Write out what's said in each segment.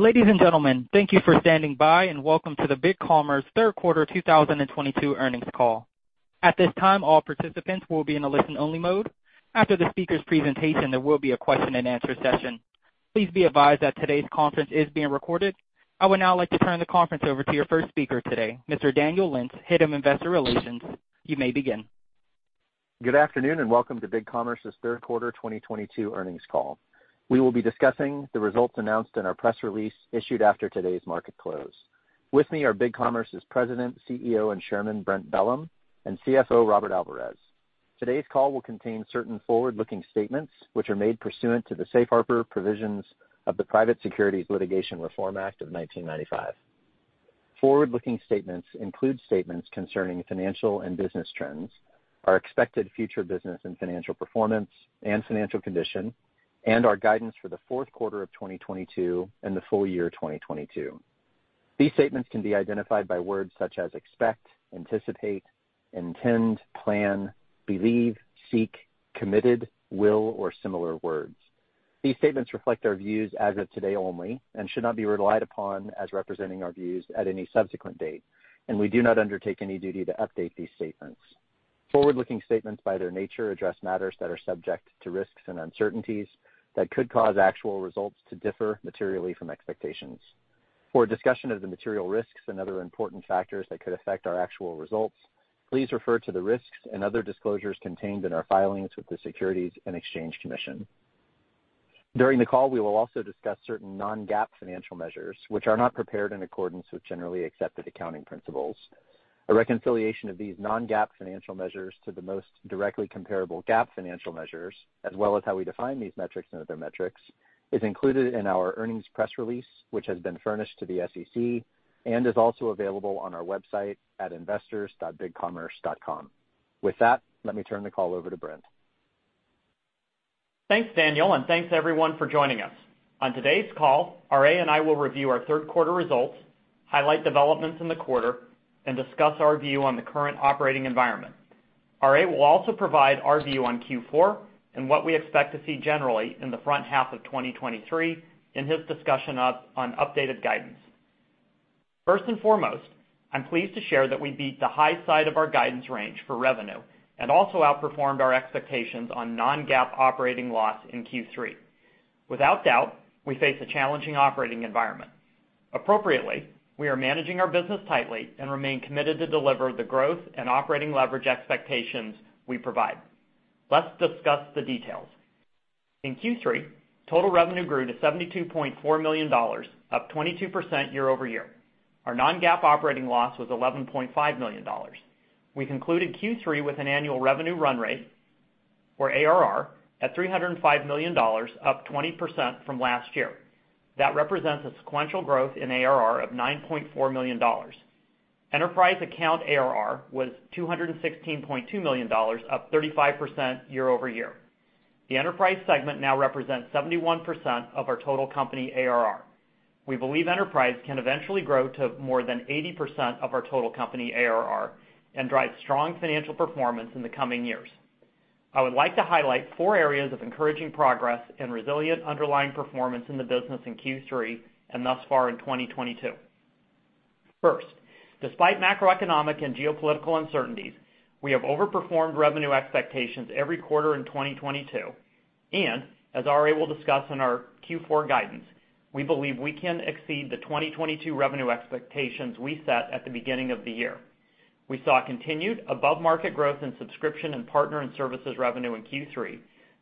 Ladies and gentlemen, thank you for standing by and welcome to the BigCommerce third quarter 2022 earnings call. At this time, all participants will be in a listen-only mode. After the speaker's presentation, there will be a question-and-answer session. Please be advised that today's conference is being recorded. I would now like to turn the conference over to your first speaker today, Mr. Daniel Lentz, Head of Investor Relations. You may begin. Good afternoon, and welcome to BigCommerce's third quarter 2022 earnings call. We will be discussing the results announced in our press release issued after today's market close. With me are BigCommerce's President, CEO, and Chairman, Brent Bellm, and CFO, Robert Alvarez. Today's call will contain certain forward-looking statements which are made pursuant to the safe harbor provisions of the Private Securities Litigation Reform Act of 1995. Forward-looking statements include statements concerning financial and business trends, our expected future business and financial performance and financial condition, and our guidance for the fourth quarter of 2022 and the full year 2022. These statements can be identified by words such as expect, anticipate, intend, plan, believe, seek, committed, will, or similar words. These statements reflect our views as of today only and should not be relied upon as representing our views at any subsequent date, and we do not undertake any duty to update these statements. Forward-looking statements, by their nature, address matters that are subject to risks and uncertainties that could cause actual results to differ materially from expectations. For a discussion of the material risks and other important factors that could affect our actual results, please refer to the risks and other disclosures contained in our filings with the Securities and Exchange Commission. During the call, we will also discuss certain non-GAAP financial measures which are not prepared in accordance with generally accepted accounting principles. A reconciliation of these non-GAAP financial measures to the most directly comparable GAAP financial measures, as well as how we define these metrics and other metrics, is included in our earnings press release, which has been furnished to the SEC and is also available on our website at investors.bigcommerce.com. With that, let me turn the call over to Brent. Thanks, Daniel, and thanks, everyone, for joining us. On today's call, RA and I will review our third quarter results, highlight developments in the quarter, and discuss our view on the current operating environment. RA will also provide our view on Q4 and what we expect to see generally in the first half of 2023 in his discussion on updated guidance. First and foremost, I'm pleased to share that we beat the high side of our guidance range for revenue and also outperformed our expectations on non-GAAP operating loss in Q3. Without doubt, we face a challenging operating environment. Appropriately, we are managing our business tightly and remain committed to deliver the growth and operating leverage expectations we provide. Let's discuss the details. In Q3, total revenue grew to $72.4 million, up 22% year-over-year. Our non-GAAP operating loss was $11.5 million. We concluded Q3 with an annual revenue run rate or ARR at $305 million, up 20% from last year. That represents a sequential growth in ARR of $9.4 million. Enterprise account ARR was $216.2 million, up 35% year-over-year. The enterprise segment now represents 71% of our total company ARR. We believe enterprise can eventually grow to more than 80% of our total company ARR and drive strong financial performance in the coming years. I would like to highlight four areas of encouraging progress and resilient underlying performance in the business in Q3 and thus far in 2022. First, despite macroeconomic and geopolitical uncertainties, we have overperformed revenue expectations every quarter in 2022. As RA will discuss in our Q4 guidance, we believe we can exceed the 2022 revenue expectations we set at the beginning of the year. We saw continued above-market growth in subscription and partner and services revenue in Q3,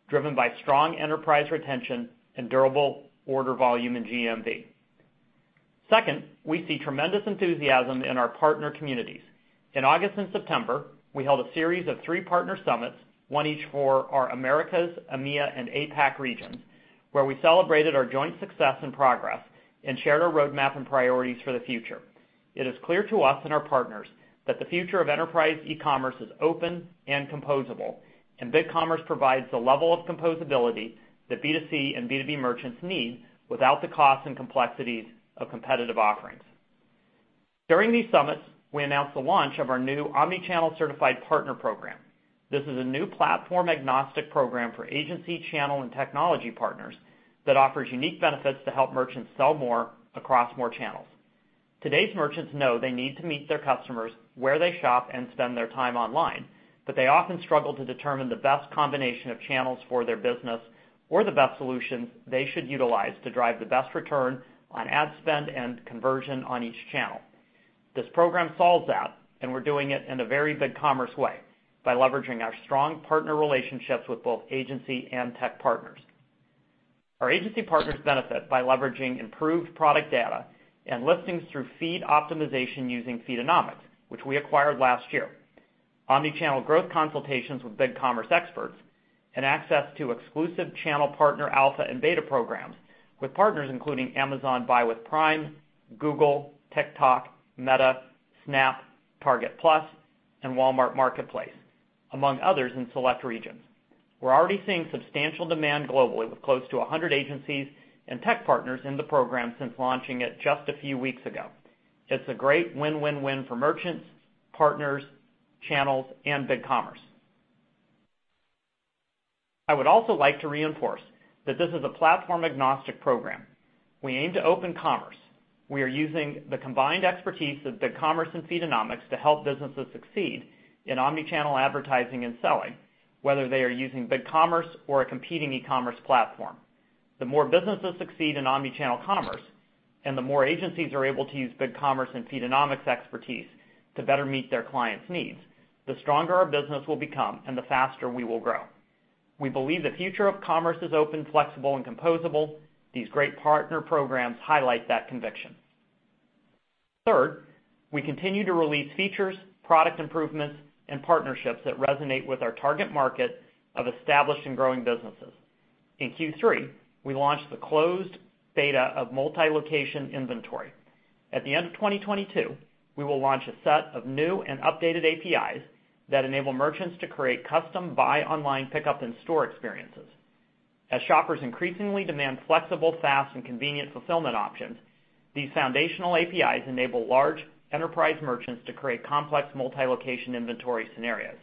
driven by strong enterprise retention and durable order volume in GMV. Second, we see tremendous enthusiasm in our partner communities. In August and September, we held a series of three partner summits, one each for our Americas, EMEA, and APAC regions, where we celebrated our joint success and progress and shared our roadmap and priorities for the future. It is clear to us and our partners that the future of enterprise e-commerce is open and composable, and BigCommerce provides the level of composability that B2C and B2B merchants need without the cost and complexities of competitive offerings. During these summits, we announced the launch of our new Omnichannel Certified Partner Program. This is a new platform-agnostic program for agency channel and technology partners that offers unique benefits to help merchants sell more across more channels. Today's merchants know they need to meet their customers where they shop and spend their time online, but they often struggle to determine the best combination of channels for their business or the best solutions they should utilize to drive the best return on ad spend and conversion on each channel. This program solves that, and we're doing it in a very BigCommerce way by leveraging our strong partner relationships with both agency and tech partners. Our agency partners benefit by leveraging improved product data and listings through feed optimization using Feedonomics, which we acquired last year. Omnichannel growth consultations with BigCommerce experts and access to exclusive channel partner alpha and beta programs with partners including Amazon Buy with Prime, Google, TikTok, Meta, Snap, Target Plus, and Walmart Marketplace, among others in select regions. We're already seeing substantial demand globally with close to 100 agencies and tech partners in the program since launching it just a few weeks ago. It's a great win-win-win for merchants, partners, channels, and BigCommerce. I would also like to reinforce that this is a platform-agnostic program. We aim to open commerce. We are using the combined expertise of BigCommerce and Feedonomics to help businesses succeed in omni-channel advertising and selling, whether they are using BigCommerce or a competing e-commerce platform. The more businesses succeed in omnichannel commerce and the more agencies are able to use BigCommerce and Feedonomics expertise to better meet their clients' needs, the stronger our business will become and the faster we will grow. We believe the future of commerce is open, flexible and composable. These great partner programs highlight that conviction. Third, we continue to release features, product improvements and partnerships that resonate with our target market of established and growing businesses. In Q3, we launched the closed beta of multi-location inventory. At the end of 2022, we will launch a set of new and updated APIs that enable merchants to create custom buy online pickup and store experiences. As shoppers increasingly demand flexible, fast and convenient fulfillment options, these foundational APIs enable large enterprise merchants to create complex multi-location inventory scenarios.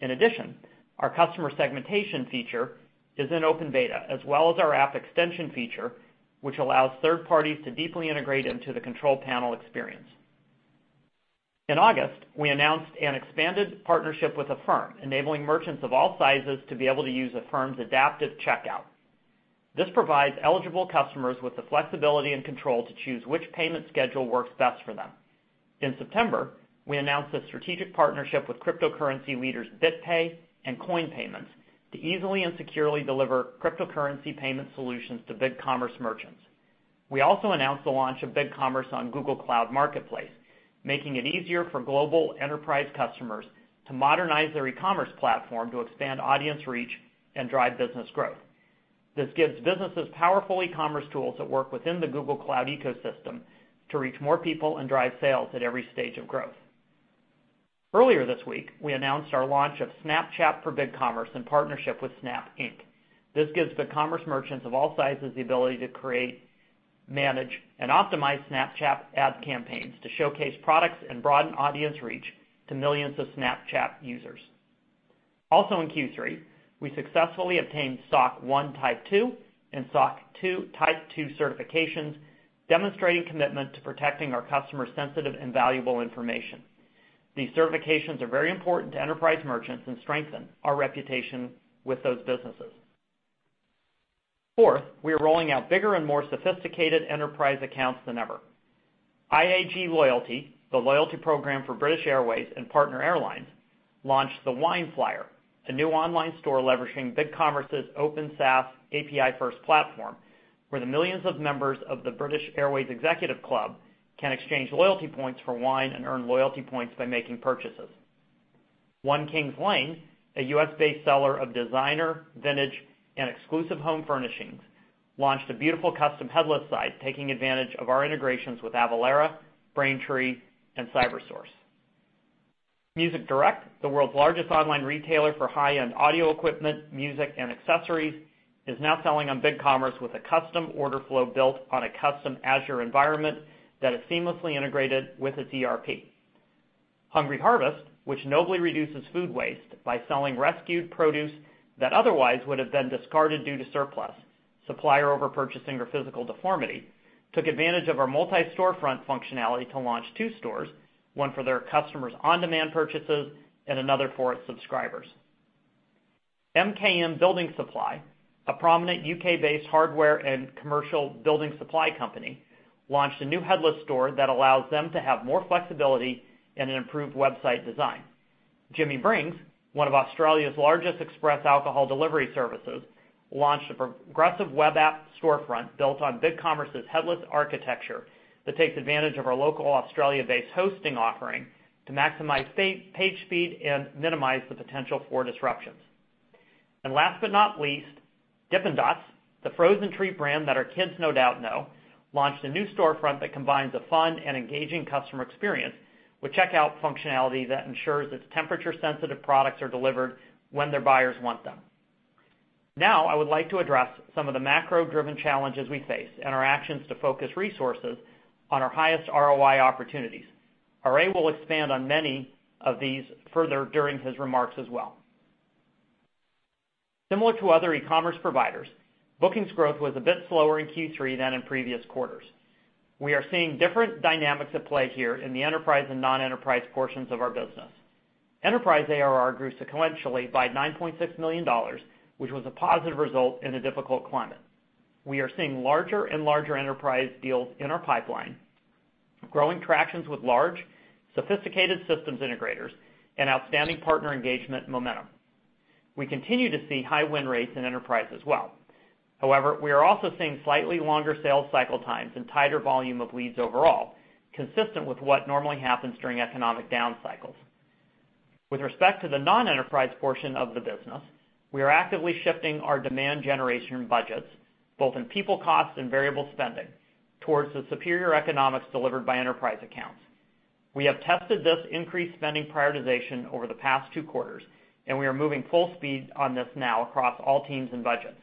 In addition, our customer segmentation feature is in open beta, as well as our app extension feature, which allows third parties to deeply integrate into the control panel experience. In August, we announced an expanded partnership with Affirm, enabling merchants of all sizes to be able to use Affirm's Adaptive Checkout. This provides eligible customers with the flexibility and control to choose which payment schedule works best for them. In September, we announced a strategic partnership with cryptocurrency leaders, BitPay and CoinPayments, to easily and securely deliver cryptocurrency payment solutions to BigCommerce merchants. We also announced the launch of BigCommerce on Google Cloud Marketplace, making it easier for global enterprise customers to modernize their e-commerce platform to expand audience reach and drive business growth. This gives businesses powerful e-commerce tools that work within the Google Cloud ecosystem to reach more people and drive sales at every stage of growth. Earlier this week, we announced our launch of Snapchat for BigCommerce in partnership with Snap Inc. This gives BigCommerce merchants of all sizes the ability to create, manage and optimize Snapchat ad campaigns to showcase products and broaden audience reach to millions of Snapchat users. Also in Q3, we successfully obtained SOC 1 Type 2 and SOC 2 Type 2 certifications, demonstrating commitment to protecting our customers' sensitive and valuable information. These certifications are very important to enterprise merchants and strengthen our reputation with those businesses. Fourth, we are rolling out bigger and more sophisticated enterprise accounts than ever. IAG Loyalty, the loyalty program for British Airways and partner airlines, launched The Wine Flyer, a new online store leveraging BigCommerce's open SaaS API-first platform, where the millions of members of the British Airways Executive Club can exchange loyalty points for wine and earn loyalty points by making purchases. One Kings Lane, a U.S.-based seller of designer, vintage, and exclusive home furnishings, launched a beautiful custom headless site, taking advantage of our integrations with Avalara, Braintree, and Cybersource. Music Direct, the world's largest online retailer for high-end audio equipment, music, and accessories, is now selling on BigCommerce with a custom order flow built on a custom Azure environment that is seamlessly integrated with its ERP. Hungry Harvest, which nobly reduces food waste by selling rescued produce that otherwise would have been discarded due to surplus, supplier overpurchasing or physical deformity, took advantage of our Multi-Storefront functionality to launch two stores, one for their customers' on-demand purchases and another for its subscribers. MKM Building Supplies, a prominent U.K.-based hardware and commercial building supply company, launched a new headless store that allows them to have more flexibility and an improved website design. Jimmy Brings, one of Australia's largest express alcohol delivery services, launched a progressive web app storefront built on BigCommerce's headless architecture that takes advantage of our local Australia-based hosting offering to maximize page speed and minimize the potential for disruptions. Last but not least, Dippin' Dots, the frozen treat brand that our kids no doubt know, launched a new storefront that combines a fun and engaging customer experience with checkout functionality that ensures its temperature-sensitive products are delivered when their buyers want them. Now, I would like to address some of the macro-driven challenges we face and our actions to focus resources on our highest ROI opportunities. RA will expand on many of these further during his remarks as well. Similar to other e-commerce providers, bookings growth was a bit slower in Q3 than in previous quarters. We are seeing different dynamics at play here in the enterprise and non-enterprise portions of our business. Enterprise ARR grew sequentially by $9.6 million, which was a positive result in a difficult climate. We are seeing larger and larger enterprise deals in our pipeline, growing tractions with large, sophisticated systems integrators, and outstanding partner engagement momentum. We continue to see high win rates in enterprise as well. However, we are also seeing slightly longer sales cycle times and tighter volume of leads overall, consistent with what normally happens during economic down cycles. With respect to the non-enterprise portion of the business, we are actively shifting our demand generation budgets, both in people costs and variable spending, towards the superior economics delivered by enterprise accounts. We have tested this increased spending prioritization over the past two quarters, and we are moving full speed on this now across all teams and budgets.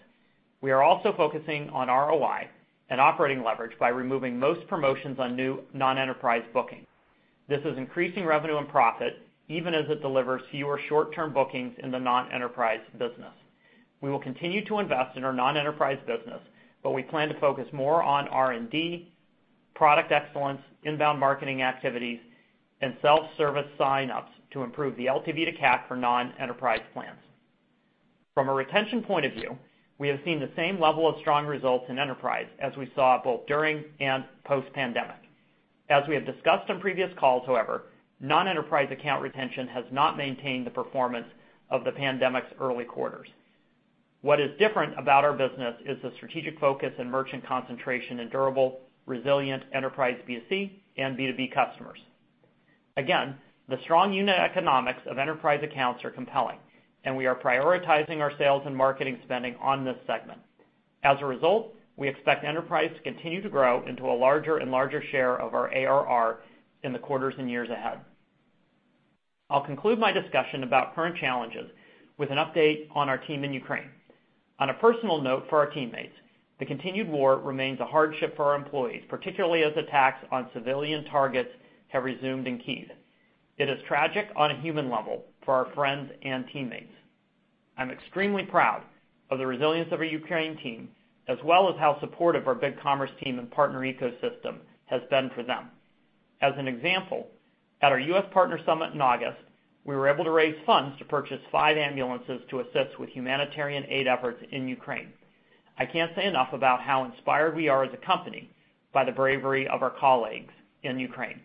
We are also focusing on ROI and operating leverage by removing most promotions on new non-enterprise booking. This is increasing revenue and profit, even as it delivers fewer short-term bookings in the non-enterprise business. We will continue to invest in our non-enterprise business, but we plan to focus more on R&D, product excellence, inbound marketing activities, and self-service sign-ups to improve the LTV to CAC for non-enterprise plans. From a retention point of view, we have seen the same level of strong results in enterprise as we saw both during and post-pandemic. As we have discussed on previous calls, however, non-enterprise account retention has not maintained the performance of the pandemic's early quarters. What is different about our business is the strategic focus and merchant concentration in durable, resilient enterprise B2C and B2B customers. Again, the strong unit economics of enterprise accounts are compelling, and we are prioritizing our sales and marketing spending on this segment. As a result, we expect enterprise to continue to grow into a larger and larger share of our ARR in the quarters and years ahead. I'll conclude my discussion about current challenges with an update on our team in Ukraine. On a personal note for our teammates, the continued war remains a hardship for our employees, particularly as attacks on civilian targets have resumed in Kyiv. It is tragic on a human level for our friends and teammates. I'm extremely proud of the resilience of our Ukraine team, as well as how supportive our BigCommerce team and partner ecosystem has been for them. As an example, at our U.S. Partner Summit in August, we were able to raise funds to purchase five ambulances to assist with humanitarian aid efforts in Ukraine. I can't say enough about how inspired we are as a company by the bravery of our colleagues in Ukraine.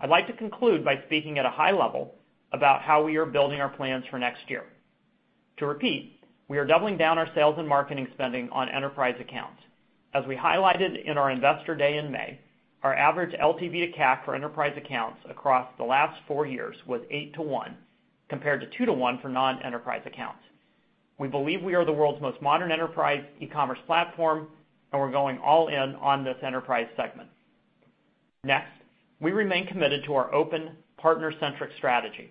I'd like to conclude by speaking at a high level about how we are building our plans for next year. To repeat, we are doubling down our sales and marketing spending on enterprise accounts. As we highlighted in our Investor Day in May, our average LTV to CAC for enterprise accounts across the last four years was 8-to-1, compared to 2-to-1 for non-enterprise accounts. We believe we are the world's most modern enterprise e-commerce platform, and we're going all in on this enterprise segment. Next, we remain committed to our open partner-centric strategy.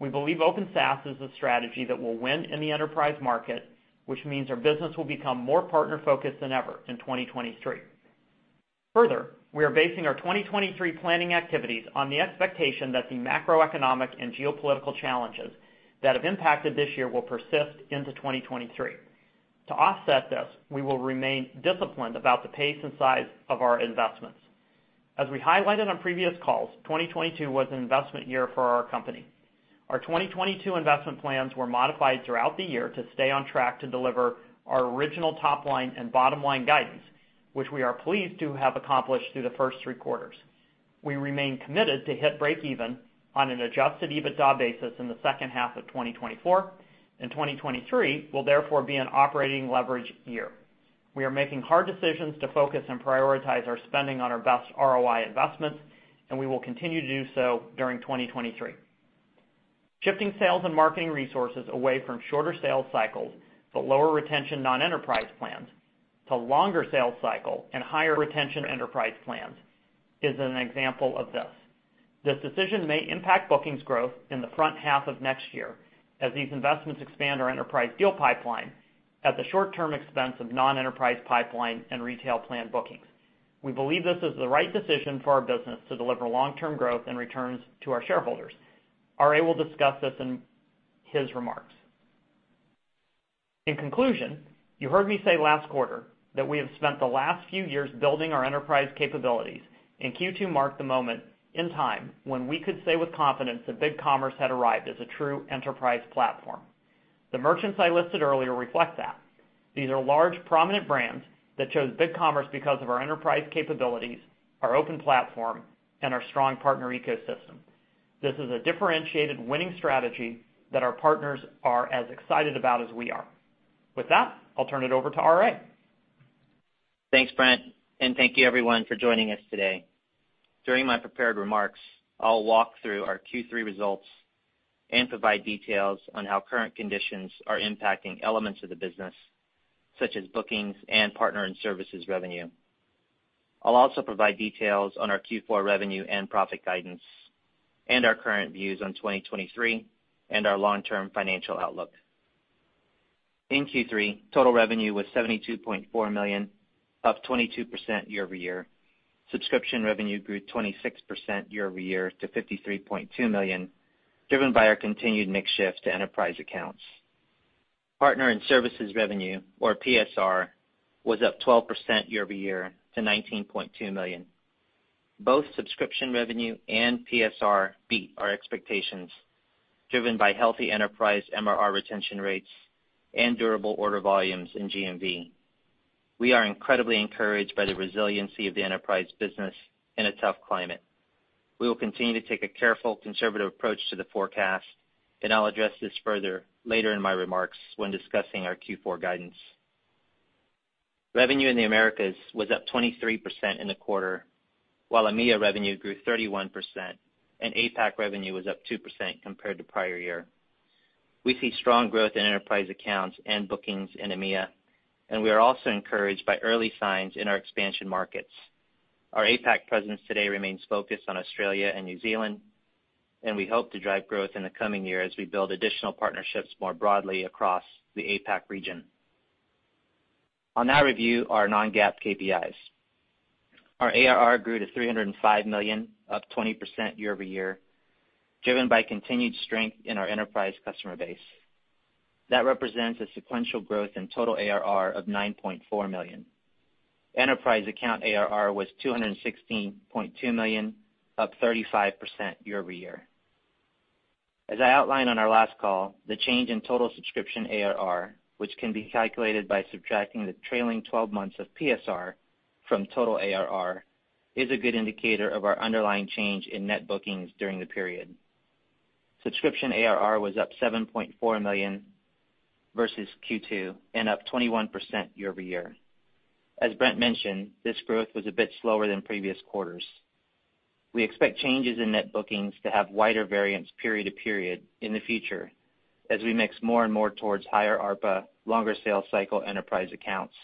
We believe open SaaS is a strategy that will win in the enterprise market, which means our business will become more partner-focused than ever in 2023. Further, we are basing our 2023 planning activities on the expectation that the macroeconomic and geopolitical challenges that have impacted this year will persist into 2023. To offset this, we will remain disciplined about the pace and size of our investments. As we highlighted on previous calls, 2022 was an investment year for our company. Our 2022 investment plans were modified throughout the year to stay on track to deliver our original top line and bottom line guidance, which we are pleased to have accomplished through the first three quarters. We remain committed to hit breakeven on an Adjusted EBITDA basis in the second half of 2024, and 2023 will therefore be an operating leverage year. We are making hard decisions to focus and prioritize our spending on our best ROI investments, and we will continue to do so during 2023. Shifting sales and marketing resources away from shorter sales cycles, but lower retention non-enterprise plans to longer sales cycle and higher retention enterprise plans is an example of this. This decision may impact bookings growth in the front half of next year as these investments expand our enterprise deal pipeline at the short-term expense of non-enterprise pipeline and retail plan bookings. We believe this is the right decision for our business to deliver long-term growth and returns to our shareholders. RA will discuss this in his remarks. In conclusion, you heard me say last quarter that we have spent the last few years building our enterprise capabilities, and Q2 marked the moment in time when we could say with confidence that BigCommerce had arrived as a true enterprise platform. The merchants I listed earlier reflect that. These are large, prominent brands that chose BigCommerce because of our enterprise capabilities, our open platform, and our strong partner ecosystem. This is a differentiated winning strategy that our partners are as excited about as we are. With that, I'll turn it over to RA. Thanks, Brent, and thank you everyone for joining us today. During my prepared remarks, I'll walk through our Q3 results and provide details on how current conditions are impacting elements of the business, such as bookings and partner and services revenue. I'll also provide details on our Q4 revenue and profit guidance and our current views on 2023 and our long-term financial outlook. In Q3, total revenue was $72.4 million, up 22% year-over-year. Subscription revenue grew 26% year-over-year to $53.2 million, driven by our continued mix shift to enterprise accounts. Partner and services revenue, or PSR, was up 12% year-over-year to $19.2 million. Both subscription revenue and PSR beat our expectations, driven by healthy enterprise MRR retention rates and durable order volumes in GMV. We are incredibly encouraged by the resiliency of the enterprise business in a tough climate. We will continue to take a careful, conservative approach to the forecast, and I'll address this further later in my remarks when discussing our Q4 guidance. Revenue in the Americas was up 23% in the quarter, while EMEA revenue grew 31%, and APAC revenue was up 2% compared to prior year. We see strong growth in enterprise accounts and bookings in EMEA, and we are also encouraged by early signs in our expansion markets. Our APAC presence today remains focused on Australia and New Zealand. We hope to drive growth in the coming year as we build additional partnerships more broadly across the APAC region. I'll now review our non-GAAP KPIs. Our ARR grew to $305 million, up 20% year-over-year, driven by continued strength in our enterprise customer base. That represents a sequential growth in total ARR of $9.4 million. Enterprise account ARR was $216.2 million, up 35% year-over-year. As I outlined on our last call, the change in total subscription ARR, which can be calculated by subtracting the trailing twelve months of PSR from total ARR, is a good indicator of our underlying change in net bookings during the period. Subscription ARR was up $7.4 million versus Q2 and up 21% year-over-year. As Brent mentioned, this growth was a bit slower than previous quarters. We expect changes in net bookings to have wider variance period to period in the future as we mix more and more towards higher ARPA, longer sales cycle enterprise accounts,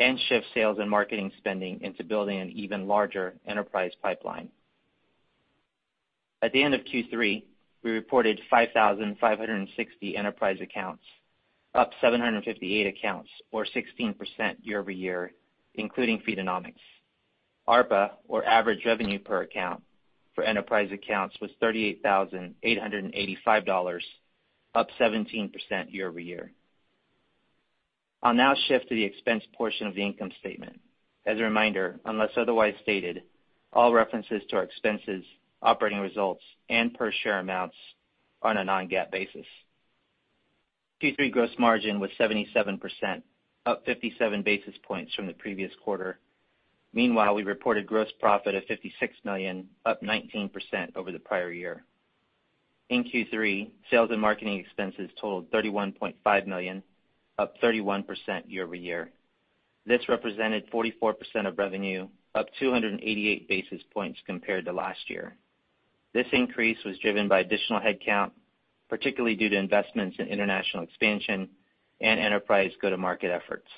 and shift sales and marketing spending into building an even larger enterprise pipeline. At the end of Q3, we reported 5,560 enterprise accounts, up 758 accounts or 16% year-over-year, including Feedonomics. ARPA, or average revenue per account, for enterprise accounts was $38,885, up 17% year-over-year. I'll now shift to the expense portion of the income statement. As a reminder, unless otherwise stated, all references to our expenses, operating results, and per share amounts are on a non-GAAP basis. Q3 gross margin was 77%, up 57 basis points from the previous quarter. Meanwhile, we reported gross profit of $56 million, up 19% over the prior year. In Q3, sales and marketing expenses totaled $31.5 million, up 31% year-over-year. This represented 44% of revenue, up 288 basis points compared to last year. This increase was driven by additional headcount, particularly due to investments in international expansion and enterprise go-to-market efforts.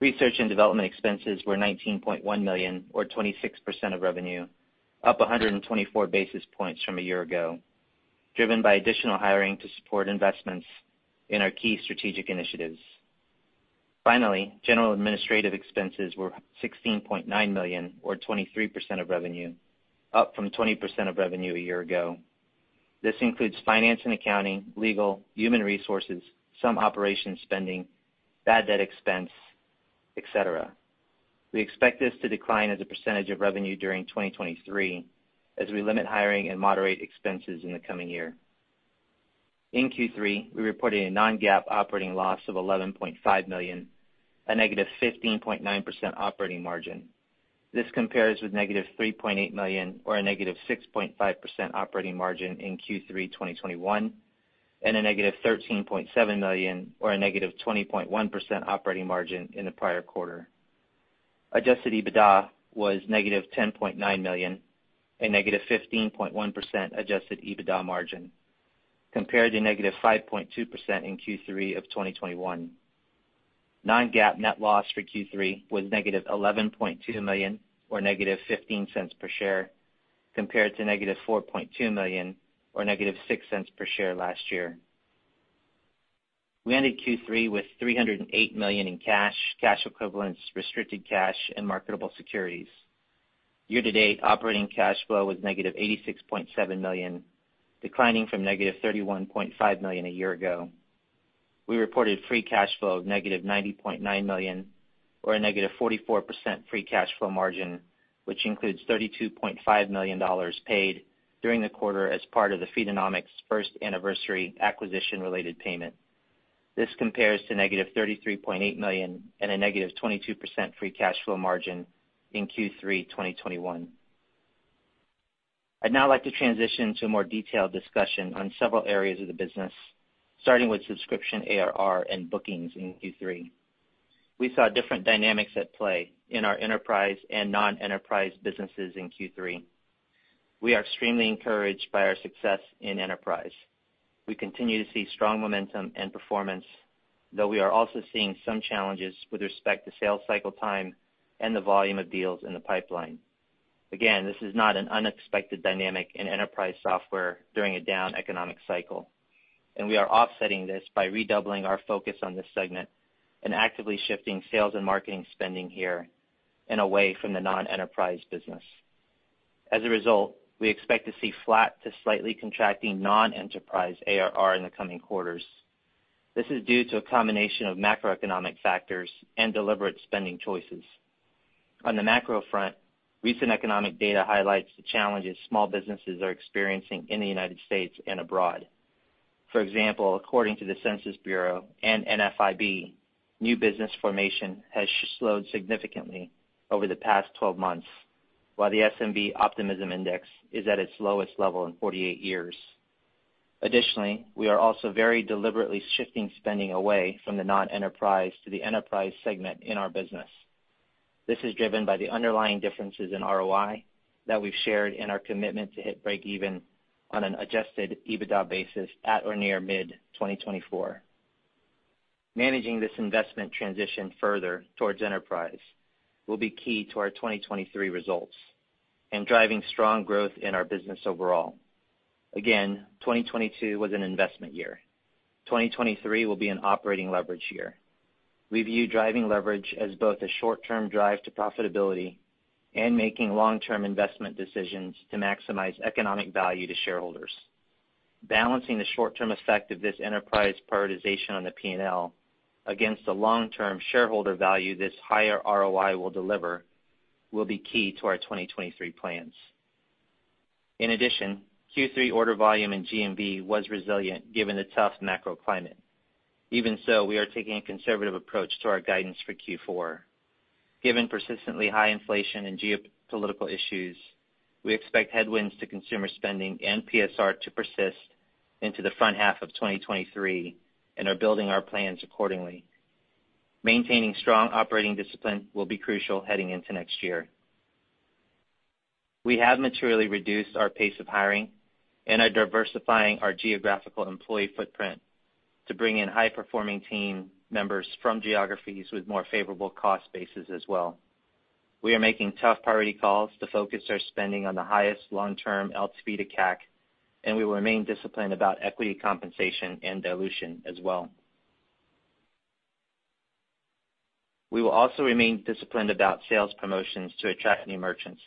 Research and development expenses were $19.1 million or 26% of revenue, up 124 basis points from a year ago, driven by additional hiring to support investments in our key strategic initiatives. Finally, general administrative expenses were $16.9 million or 23% of revenue, up from 20% of revenue a year ago. This includes finance and accounting, legal, human resources, some operations spending, bad debt expense, etc. We expect this to decline as a percentage of revenue during 2023 as we limit hiring and moderate expenses in the coming year. In Q3, we reported a non-GAAP operating loss of $11.5 million, a -15.9% operating margin. This compares with -$3.8 million or a -6.5% operating margin in Q3 2021, and a -$13.7 million or a -20.1% operating margin in the prior quarter. Adjusted EBITDA was -$10.9 million, a -15.1% adjusted EBITDA margin compared to -5.2% in Q3 of 2021. Non-GAAP net loss for Q3 was -$11.2 million or -$0.15 per share compared to -$4.2 million or -$0.06 per share last year. We ended Q3 with $308 million in cash equivalents, restricted cash, and marketable securities. Year-to-date operating cash flow was negative $86.7 million, declining from negative $31.5 million a year ago. We reported free cash flow of negative $90.9 million or a negative 44% free cash flow margin, which includes $32.5 million paid during the quarter as part of the Feedonomics first anniversary acquisition-related payment. This compares to negative $33.8 million and a negative 22% free cash flow margin in Q3 2021. I'd now like to transition to a more detailed discussion on several areas of the business, starting with subscription ARR and bookings in Q3. We saw different dynamics at play in our enterprise and non-enterprise businesses in Q3. We are extremely encouraged by our success in enterprise. We continue to see strong momentum and performance, though we are also seeing some challenges with respect to sales cycle time and the volume of deals in the pipeline. Again, this is not an unexpected dynamic in enterprise software during a down economic cycle, and we are offsetting this by redoubling our focus on this segment and actively shifting sales and marketing spending here and away from the non-enterprise business. As a result, we expect to see flat to slightly contracting non-enterprise ARR in the coming quarters. This is due to a combination of macroeconomic factors and deliberate spending choices. On the macro front, recent economic data highlights the challenges small businesses are experiencing in the United States and abroad. For example, according to the Census Bureau and NFIB, new business formation has slowed significantly over the past 12 months, while the Small Business Optimism Index is at its lowest level in 48 years. Additionally, we are also very deliberately shifting spending away from the non-enterprise to the enterprise segment in our business. This is driven by the underlying differences in ROI that we've shared and our commitment to hit breakeven on an Adjusted EBITDA basis at or near mid-2024. Managing this investment transition further towards enterprise will be key to our 2023 results and driving strong growth in our business overall. Again, 2022 was an investment year. 2023 will be an operating leverage year. We view driving leverage as both a short-term drive to profitability and making long-term investment decisions to maximize economic value to shareholders. Balancing the short-term effect of this enterprise prioritization on the PNL against the long-term shareholder value this higher ROI will deliver will be key to our 2023 plans. In addition, Q3 order volume in GMV was resilient given the tough macro climate. Even so, we are taking a conservative approach to our guidance for Q4. Given persistently high inflation and geopolitical issues, we expect headwinds to consumer spending and PSR to persist into the front half of 2023 and are building our plans accordingly. Maintaining strong operating discipline will be crucial heading into next year. We have materially reduced our pace of hiring and are diversifying our geographical employee footprint to bring in high-performing team members from geographies with more favorable cost bases as well. We are making tough priority calls to focus our spending on the highest long-term LTV to CAC, and we will remain disciplined about equity compensation and dilution as well. We will also remain disciplined about sales promotions to attract new merchants.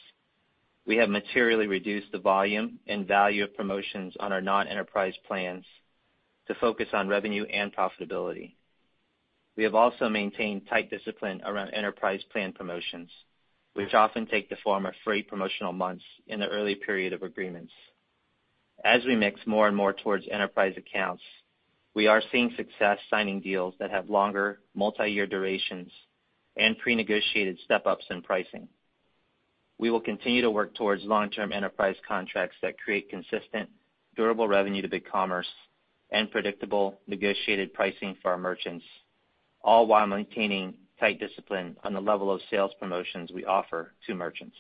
We have materially reduced the volume and value of promotions on our non-enterprise plans to focus on revenue and profitability. We have also maintained tight discipline around enterprise plan promotions, which often take the form of free promotional months in the early period of agreements. As we mix more and more towards enterprise accounts, we are seeing success signing deals that have longer multiyear durations and prenegotiated step-ups in pricing. We will continue to work towards long-term enterprise contracts that create consistent, durable revenue to BigCommerce and predictable negotiated pricing for our merchants, all while maintaining tight discipline on the level of sales promotions we offer to merchants.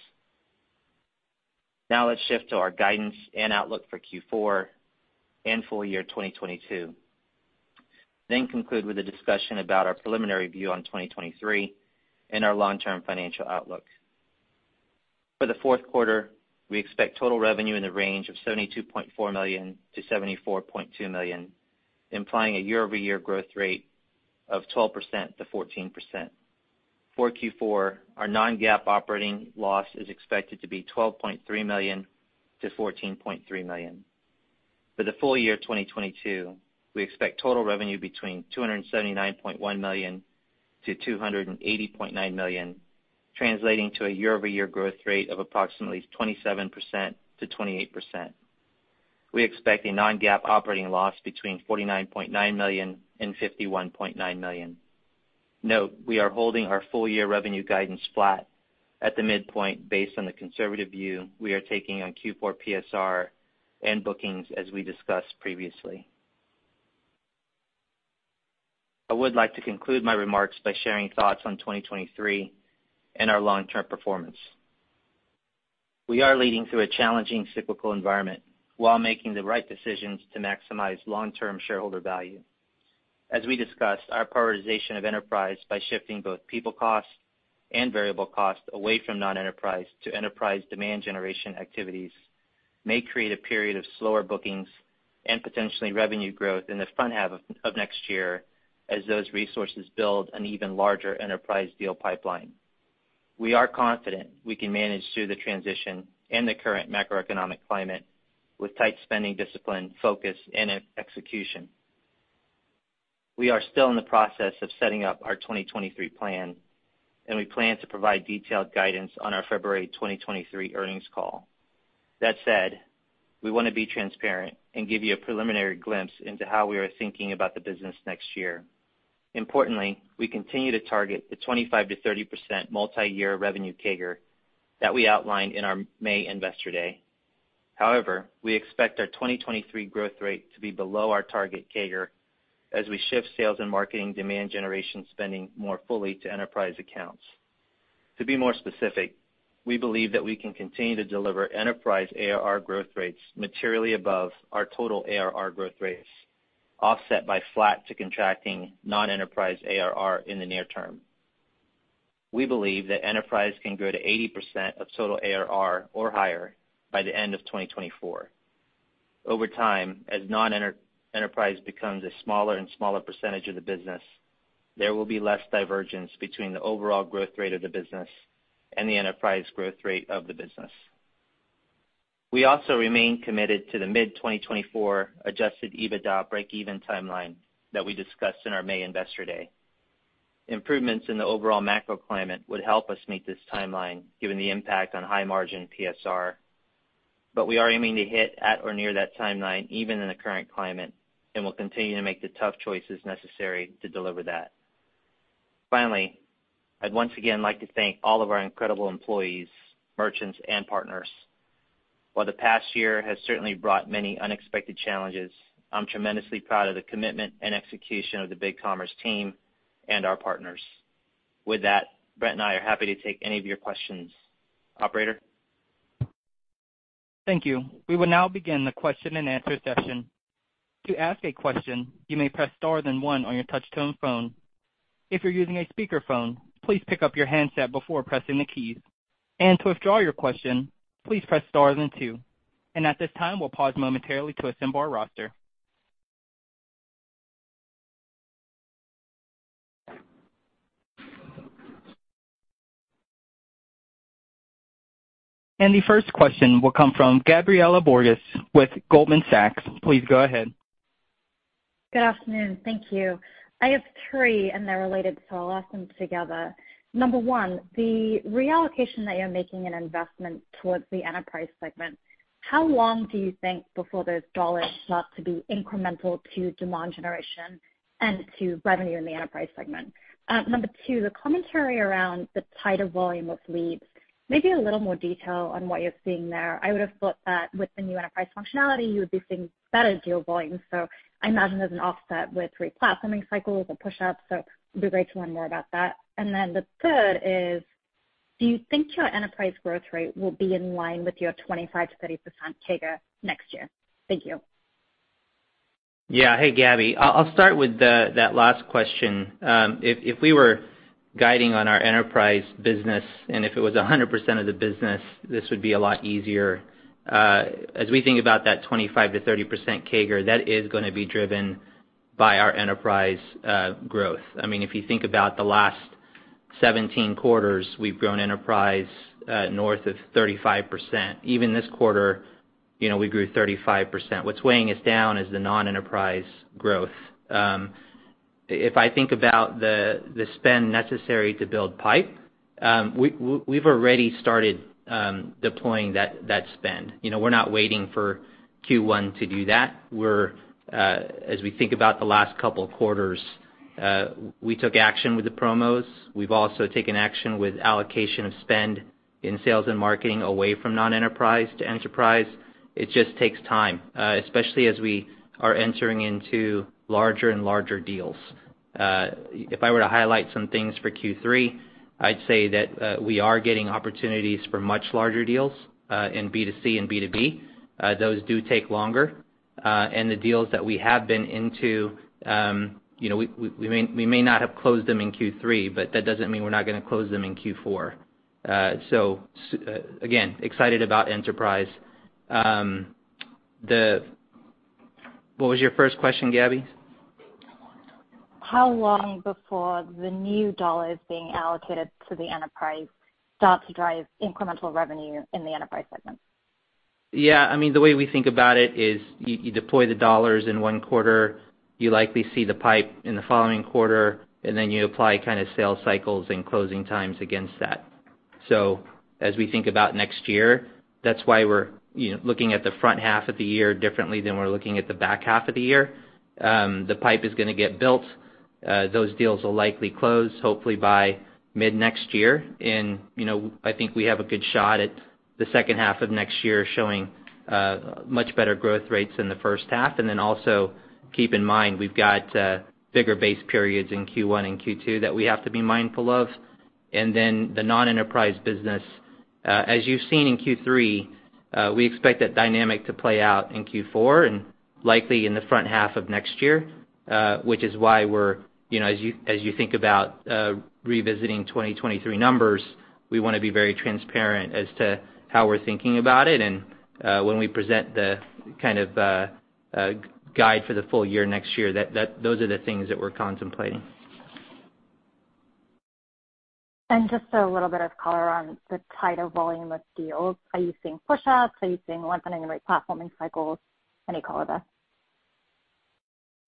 Now let's shift to our guidance and outlook for Q4 and full year 2022, then conclude with a discussion about our preliminary view on 2023 and our long-term financial outlook. For the fourth quarter, we expect total revenue in the range of $72.4 million-$74.2 million, implying a year-over-year growth rate of 12%-14%. For Q4, our non-GAAP operating loss is expected to be $12.3 million-$14.3 million. For the full year of 2022, we expect total revenue between $279.1 million-$280.9 million, translating to a year-over-year growth rate of approximately 27%-28%. We expect a non-GAAP operating loss between $49.9 million and $51.9 million. Note, we are holding our full-year revenue guidance flat at the midpoint based on the conservative view we are taking on Q4 PSR and bookings as we discussed previously. I would like to conclude my remarks by sharing thoughts on 2023 and our long-term performance. We are leading through a challenging cyclical environment while making the right decisions to maximize long-term shareholder value. As we discussed, our prioritization of enterprise by shifting both people costs and variable costs away from non-enterprise to enterprise demand generation activities may create a period of slower bookings and potentially revenue growth in the front half of next year as those resources build an even larger enterprise deal pipeline. We are confident we can manage through the transition and the current macroeconomic climate with tight spending discipline, focus, and execution. We are still in the process of setting up our 2023 plan, and we plan to provide detailed guidance on our February 2023 earnings call. That said, we wanna be transparent and give you a preliminary glimpse into how we are thinking about the business next year. Importantly, we continue to target the 25%-30% multiyear revenue CAGR that we outlined in our May investor day. However, we expect our 2023 growth rate to be below our target CAGR as we shift sales and marketing demand generation spending more fully to enterprise accounts. To be more specific, we believe that we can continue to deliver enterprise ARR growth rates materially above our total ARR growth rates, offset by flat to contracting non-enterprise ARR in the near term. We believe that enterprise can grow to 80% of total ARR or higher by the end of 2024. Over time, as non-enterprise becomes a smaller and smaller percentage of the business, there will be less divergence between the overall growth rate of the business and the enterprise growth rate of the business. We also remain committed to the mid-2024 Adjusted EBITDA breakeven timeline that we discussed in our May investor day. Improvements in the overall macro climate would help us meet this timeline given the impact on high-margin PSR. We are aiming to hit at or near that timeline even in the current climate and will continue to make the tough choices necessary to deliver that. Finally, I'd once again like to thank all of our incredible employees, merchants, and partners. While the past year has certainly brought many unexpected challenges, I'm tremendously proud of the commitment and execution of the BigCommerce team and our partners. With that, Brent and I are happy to take any of your questions. Operator? Thank you. We will now begin the question-and-answer session. To ask a question, you may press star then one on your touchtone phone. If you're using a speakerphone, please pick up your handset before pressing the keys. To withdraw your question, please press star then two. At this time, we'll pause momentarily to assemble our roster. The first question will come from Gabriela Borges with Goldman Sachs. Please go ahead. Good afternoon. Thank you. I have three, and they're related, so I'll ask them together. Number one, the reallocation that you're making an investment towards the enterprise segment, how long do you think before those dollars start to be incremental to demand generation and to revenue in the enterprise segment? Number two, the commentary around the tighter volume of leads, maybe a little more detail on what you're seeing there. I would have thought that with the new enterprise functionality, you would be seeing better deal volume. I imagine there's an offset with replatforming cycles or push-outs, so it'd be great to learn more about that. The third is, do you think your enterprise growth rate will be in line with your 25%-30% CAGR next year? Thank you. Yeah. Hey, Gabby. I'll start with that last question. If we were guiding on our enterprise business, and if it was 100% of the business, this would be a lot easier. As we think about that 25%-30% CAGR, that is gonna be driven by our enterprise growth. I mean, if you think about the last 17 quarters, we've grown enterprise north of 35%. Even this quarter, you know, we grew 35%. What's weighing us down is the non-enterprise growth. If I think about the spend necessary to build pipeline, we've already started deploying that spend. You know, we're not waiting for Q1 to do that. We're, as we think about the last couple of quarters, we took action with the promos. We've also taken action with allocation of spend in sales and marketing away from non-enterprise to enterprise. It just takes time, especially as we are entering into larger and larger deals. If I were to highlight some things for Q3, I'd say that we are getting opportunities for much larger deals in B2C and B2B. Those do take longer. The deals that we have been into, you know, we may not have closed them in Q3, but that doesn't mean we're not gonna close them in Q4. Again, excited about enterprise. What was your first question, Gabby? How long before the new dollars being allocated to the enterprise start to drive incremental revenue in the enterprise segment? Yeah. I mean, the way we think about it is you deploy the dollars in one quarter, you likely see the pipe in the following quarter, and then you apply kinda sales cycles and closing times against that. As we think about next year, that's why we're, you know, looking at the front half of the year differently than we're looking at the back half of the year. The pipe is gonna get built. Those deals will likely close hopefully by mid next year. You know, I think we have a good shot at the second half of next year showing much better growth rates than the first half. Then also keep in mind, we've got bigger base periods in Q1 and Q2 that we have to be mindful of. The non-enterprise business, as you've seen in Q3, we expect that dynamic to play out in Q4 and likely in the front half of next year, which is why we're, you know, as you think about, revisiting 2023 numbers, we wanna be very transparent as to how we're thinking about it. When we present the kind of guidance for the full year next year, that those are the things that we're contemplating. Just a little bit of color on the tighter volume of deals. Are you seeing pushouts? Are you seeing lengthening replatforming cycles? Any color there?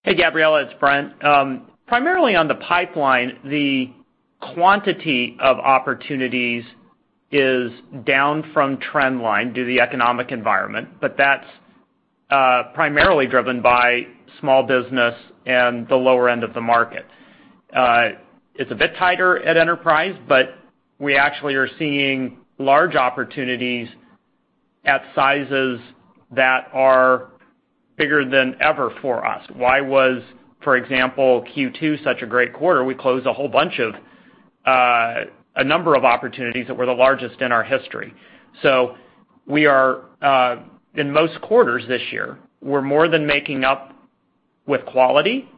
Hey, Gabriela, it's Brent. Primarily on the pipeline, the quantity of opportunities is down from trend line due to the economic environment, but that's primarily driven by small business and the lower end of the market. It's a bit tighter at enterprise, but we actually are seeing large opportunities at sizes that are bigger than ever for us. Why was, for example, Q2 such a great quarter? We closed a whole bunch of a number of opportunities that were the largest in our history. So we are, in most quarters this year, we're more than making up with quality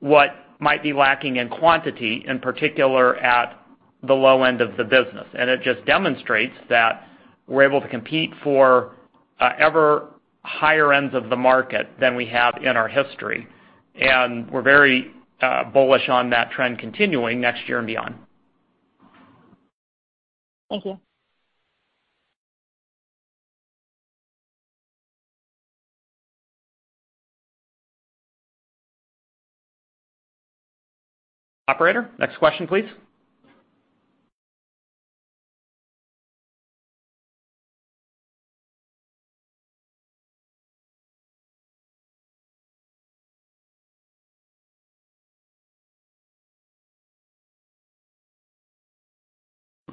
what might be lacking in quantity, in particular at the low end of the business. It just demonstrates that we're able to compete for ever higher ends of the market than we have in our history. We're very bullish on that trend continuing next year and beyond. Thank you. Operator, next question, please.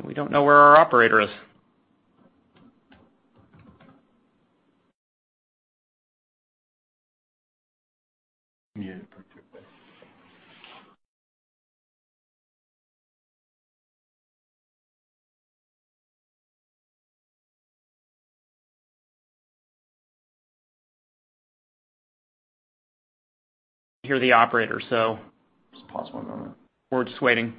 We don't know where our operator is. I hear the operator, so just pause one moment. We're just waiting.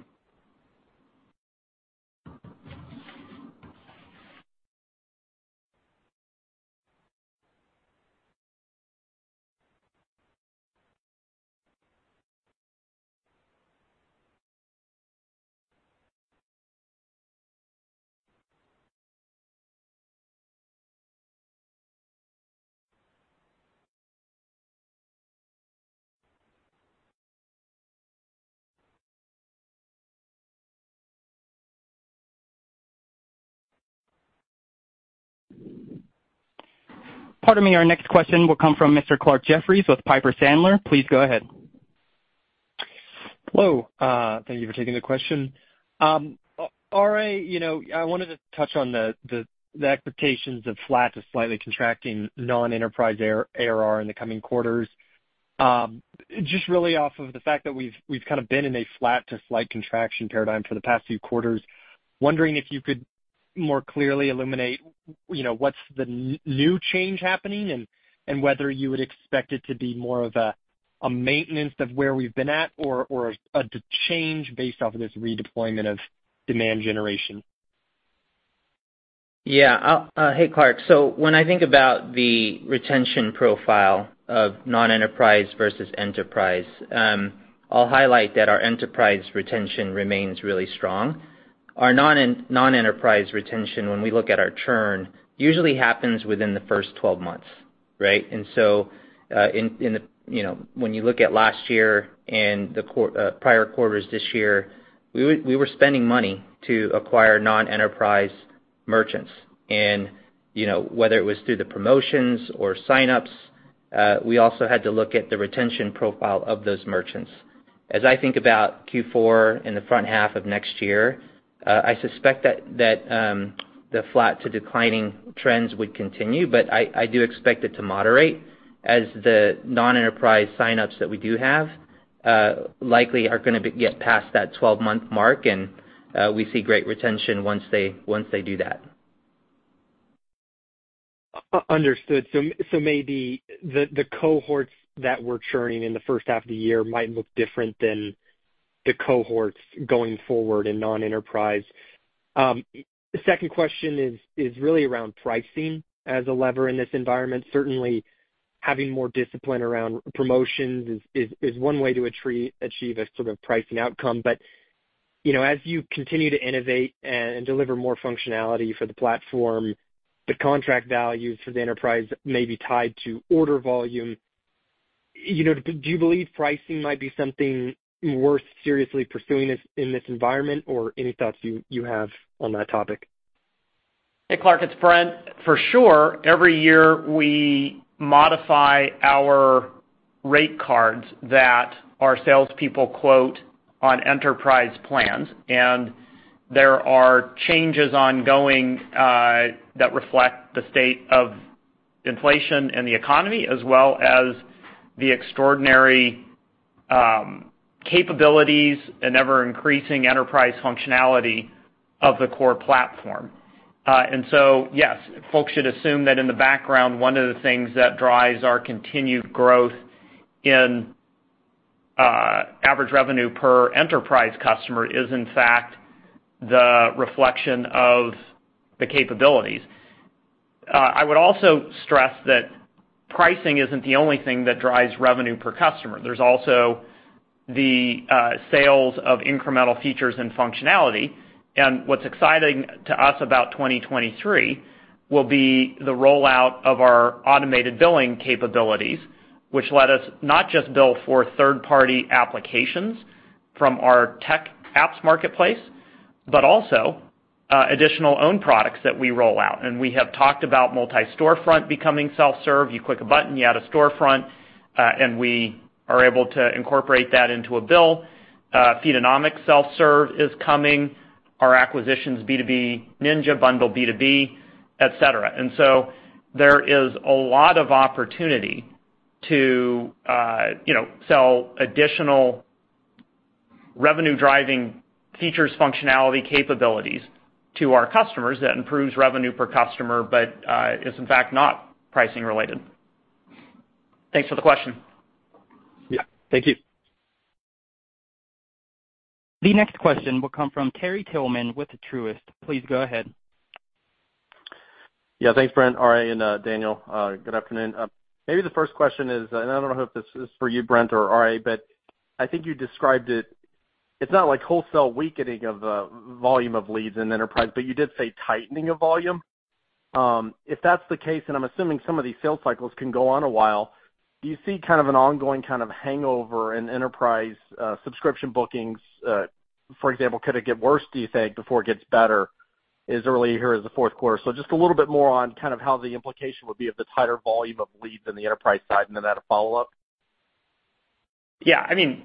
Pardon me. Our next question will come from Mr. Clarke Jeffries with Piper Sandler. Please go ahead. Hello. Thank you for taking the question. RA, you know, I wanted to touch on the expectations of flat to slightly contracting non-enterprise ARR in the coming quarters. Just really off of the fact that we've kind of been in a flat to slight contraction paradigm for the past few quarters. Wondering if you could more clearly illuminate, you know, what's the new change happening and whether you would expect it to be more of a maintenance of where we've been at or a change based off of this redeployment of demand generation. Hey, Clarke. When I think about the retention profile of non-enterprise versus enterprise, I'll highlight that our enterprise retention remains really strong. Our non-enterprise retention, when we look at our churn, usually happens within the first 12 months, right? In the, you know, when you look at last year and the prior quarters this year, we were spending money to acquire non-enterprise merchants. You know, whether it was through the promotions or sign-ups, we also had to look at the retention profile of those merchants. As I think about Q4 in the front half of next year, I suspect that the flat to declining trends would continue, but I do expect it to moderate as the non-enterprise sign-ups that we do have likely are gonna get past that 12-month mark, and we see great retention once they do that. Understood. Maybe the cohorts that we're churning in the first half of the year might look different than the cohorts going forward in non-enterprise. The second question is really around pricing as a lever in this environment. Certainly, having more discipline around promotions is one way to achieve a sort of pricing outcome. But, you know, as you continue to innovate and deliver more functionality for the platform, the contract values for the enterprise may be tied to order volume. You know, do you believe pricing might be something worth seriously pursuing in this environment? Or any thoughts you have on that topic? Hey, Clarke, it's Brent. For sure, every year, we modify our rate cards that our salespeople quote on enterprise plans. There are changes ongoing that reflect the state of inflation and the economy as well as the extraordinary capabilities and ever-increasing enterprise functionality of the core platform. Yes, folks should assume that in the background, one of the things that drives our continued growth in average revenue per enterprise customer is in fact the reflection of the capabilities. I would also stress that pricing isn't the only thing that drives revenue per customer. There's also the sales of incremental features and functionality. What's exciting to us about 2023 will be the rollout of our automated billing capabilities, which let us not just bill for third-party applications from our tech apps marketplace, but also additional own products that we roll out. We have talked about Multi-Storefront becoming self-serve. You click a button, you add a storefront, and we are able to incorporate that into a bill. Feedonomics self-serve is coming. Our acquisitions B2B Ninja, BundleB2B, et cetera. There is a lot of opportunity to, you know, sell additional revenue-driving features, functionality, capabilities to our customers that improves revenue per customer, but is in fact not pricing related. Thanks for the question. Yeah. Thank you. The next question will come from Terry Tillman with Truist. Please go ahead. Yeah. Thanks, Brent, RA, and Daniel. Good afternoon. Maybe the first question is, I don't know if this is for you, Brent or RA, but I think you described it's not like wholesale weakening of the volume of leads in enterprise, but you did say tightening of volume. If that's the case, then I'm assuming some of these sales cycles can go on a while. Do you see kind of an ongoing kind of hangover in enterprise subscription bookings? For example, could it get worse, do you think, before it gets better as early here as the fourth quarter? Just a little bit more on kind of how the implication would be of the tighter volume of leads in the enterprise side, and then I had a follow-up. Yeah. I mean,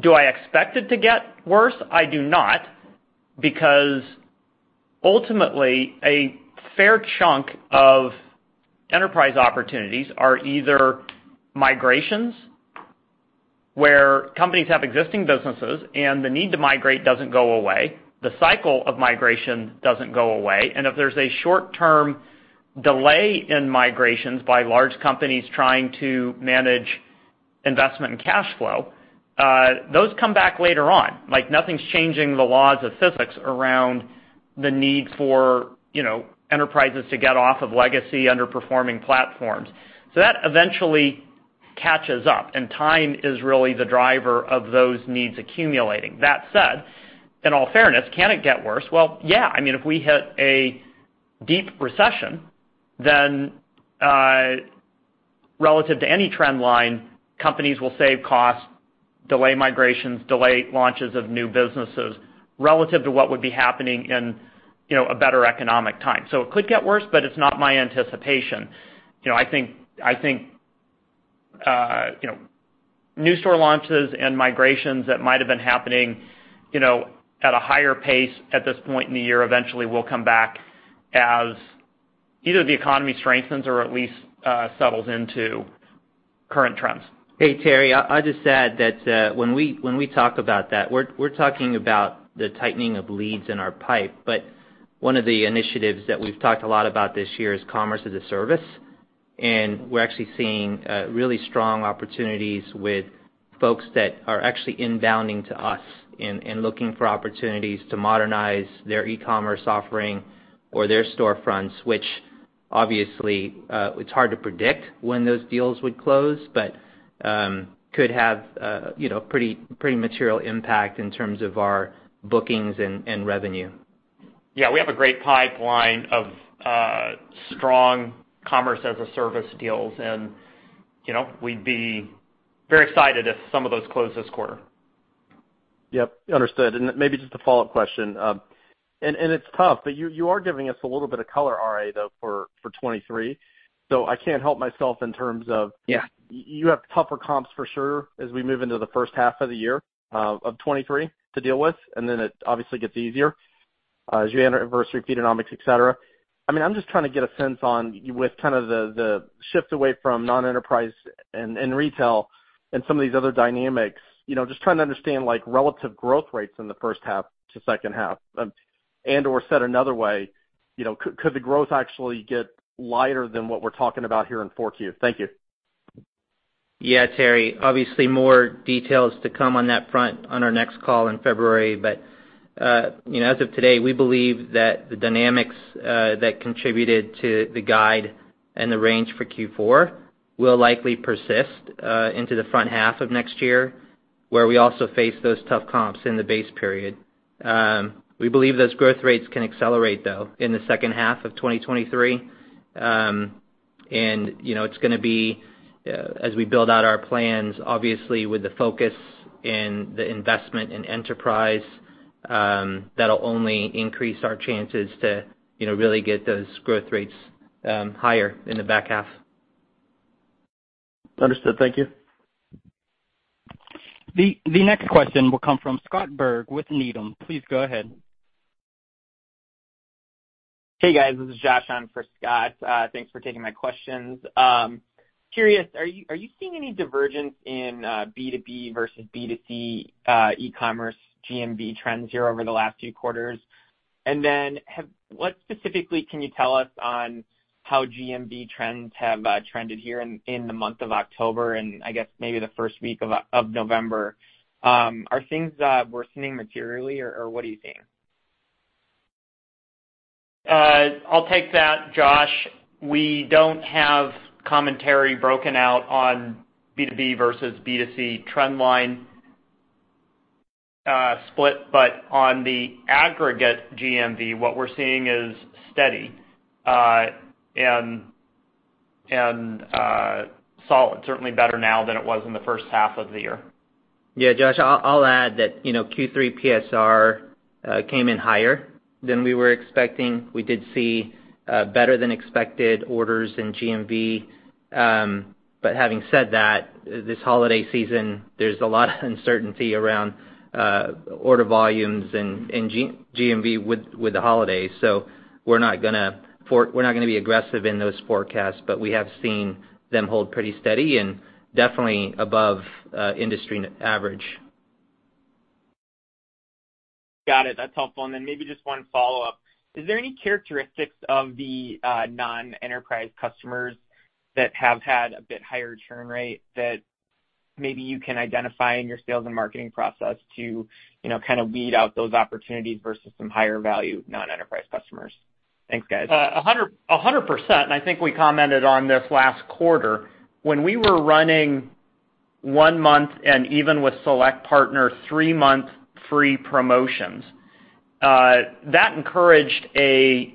do I expect it to get worse? I do not because ultimately, a fair chunk of enterprise opportunities are either migrations where companies have existing businesses and the need to migrate doesn't go away, the cycle of migration doesn't go away. If there's a short-term delay in migrations by large companies trying to manage investment and cash flow, those come back later on. Like, nothing's changing the laws of physics around the need for, you know, enterprises to get off of legacy underperforming platforms. That eventually catches up, and time is really the driver of those needs accumulating. That said, in all fairness, can it get worse? Well, yeah. I mean, if we hit a deep recession, then, relative to any trend line, companies will save costs, delay migrations, delay launches of new businesses relative to what would be happening in, you know, a better economic time. It could get worse, but it's not my anticipation. You know, I think, you know, new store launches and migrations that might have been happening, you know, at a higher pace at this point in the year eventually will come back as either the economy strengthens or at least, settles into current trends. Hey, Terry. I just add that when we talk about that, we're talking about the tightening of leads in our pipe. One of the initiatives that we've talked a lot about this year is Commerce as a Service. We're actually seeing really strong opportunities with folks that are actually inbounding to us and looking for opportunities to modernize their e-commerce offering or their storefronts, which obviously it's hard to predict when those deals would close, but could have you know pretty material impact in terms of our bookings and revenue. Yeah, we have a great pipeline of strong Commerce as a Service deals and, you know, we'd be very excited if some of those close this quarter. Yep, understood. Maybe just a follow-up question. It's tough, but you are giving us a little bit of color, RA, though, for 2023. I can't help myself in terms of Yeah You have tougher comps for sure as we move into the first half of the year of 2023 to deal with, and then it obviously gets easier as you anniversary Feedonomics, et cetera. I mean, I'm just trying to get a sense on with kind of the shift away from non-enterprise and retail and some of these other dynamics, you know, just trying to understand like relative growth rates in the first half to second half. And/or said another way, you know, could the growth actually get lighter than what we're talking about here in 4Q? Thank you. Yeah, Terry, obviously more details to come on that front on our next call in February. You know, as of today, we believe that the dynamics that contributed to the guide and the range for Q4 will likely persist into the front half of next year, where we also face those tough comps in the base period. We believe those growth rates can accelerate though in the second half of 2023. You know, it's gonna be as we build out our plans, obviously with the focus in the investment in enterprise, that'll only increase our chances to, you know, really get those growth rates higher in the back half. Understood. Thank you. The next question will come from Scott Berg with Needham. Please go ahead. Hey, guys. This is Josh on for Scott. Thanks for taking my questions. Curious, are you seeing any divergence in B2B versus B2C e-commerce GMV trends here over the last few quarters? What specifically can you tell us on how GMV trends have trended here in the month of October and I guess maybe the first week of November? Are things worsening materially or what are you seeing? I'll take that, Josh. We don't have commentary broken out on B2B versus B2C trend line, split. On the aggregate GMV, what we're seeing is steady, and solid. Certainly better now than it was in the first half of the year. Yeah, Josh, I'll add that, you know, Q3 PSR came in higher than we were expecting. We did see better than expected orders in GMV. But having said that, this holiday season, there's a lot of uncertainty around order volumes and GMV with the holidays. We're not gonna be aggressive in those forecasts, but we have seen them hold pretty steady and definitely above industry average. Got it. That's helpful. Maybe just one follow-up. Is there any characteristics of the non-enterprise customers that have had a bit higher churn rate that maybe you can identify in your sales and marketing process to, you know, kind of weed out those opportunities versus some higher value non-enterprise customers? Thanks, guys. 100%, I think we commented on this last quarter. When we were running one-month and even with select partners, three-month free promotions, that encouraged a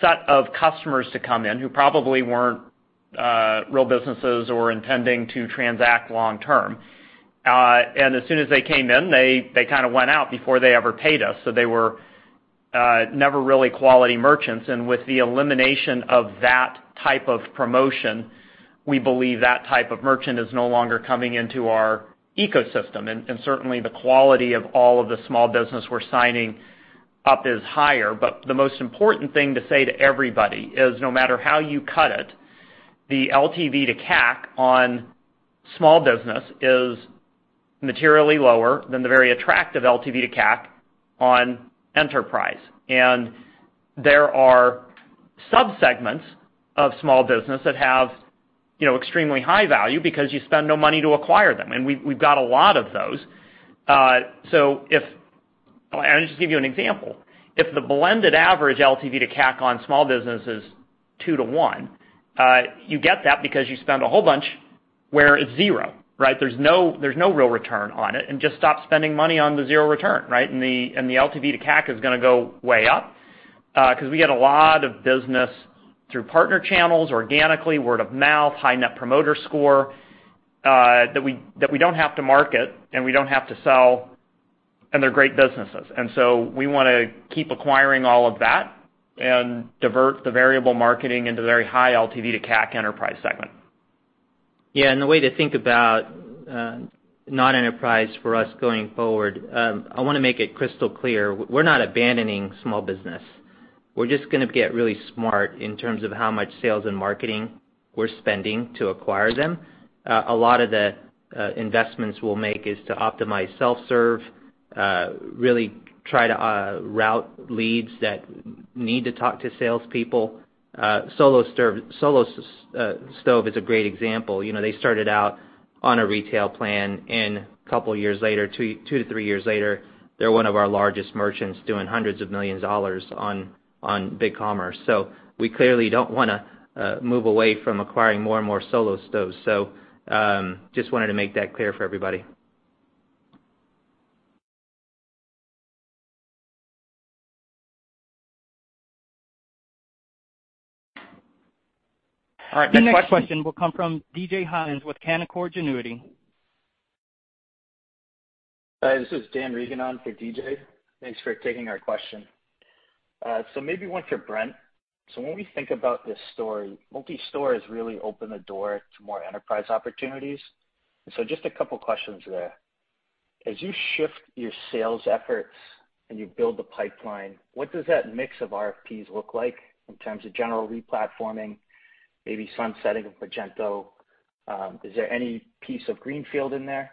set of customers to come in who probably weren't real businesses or intending to transact long term. As soon as they came in, they kinda went out before they ever paid us. They were never really quality merchants. With the elimination of that type of promotion, we believe that type of merchant is no longer coming into our ecosystem. Certainly the quality of all of the small business we're signing up is higher. The most important thing to say to everybody is no matter how you cut it, the LTV to CAC on small business is materially lower than the very attractive LTV to CAC on enterprise. There are subsegments of small business that have, you know, extremely high value because you spend no money to acquire them, and we've got a lot of those. I'll just give you an example. If the blended average LTV to CAC on small business is 2-to-1, you get that because you spend a whole bunch where it's zero, right? There's no real return on it and just stop spending money on the zero return, right? The LTV to CAC is gonna go way up because we get a lot of business through partner channels, organically, word of mouth, high net promoter score that we don't have to market, and we don't have to sell, and they're great businesses. We wanna keep acquiring all of that and divert the variable marketing into very high LTV to CAC enterprise segment. Yeah. The way to think about non-enterprise for us going forward, I wanna make it crystal clear, we're not abandoning small business. We're just gonna get really smart in terms of how much sales and marketing we're spending to acquire them. A lot of the investments we'll make is to optimize self-serve, really try to route leads that need to talk to salespeople. Solo Stove is a great example. You know, they started out on a retail plan, and a couple years later, 2-3 years later, they're one of our largest merchants doing hundreds of millions of dollars on BigCommerce. We clearly don't wanna move away from acquiring more and more Solo Stoves. Just wanted to make that clear for everybody. All right. Next question. The next question will come from DJ Hynes with Canaccord Genuity. Hi, this is Dan Regan on for DJ. Thanks for taking our question. Maybe one for Brent. When we think about this story, Multi-Storefront has really opened the door to more enterprise opportunities. Just a couple questions there. As you shift your sales efforts, and you build the pipeline, what does that mix of RFPs look like in terms of general replatforming, maybe sunsetting of Magento? Is there any piece of greenfield in there?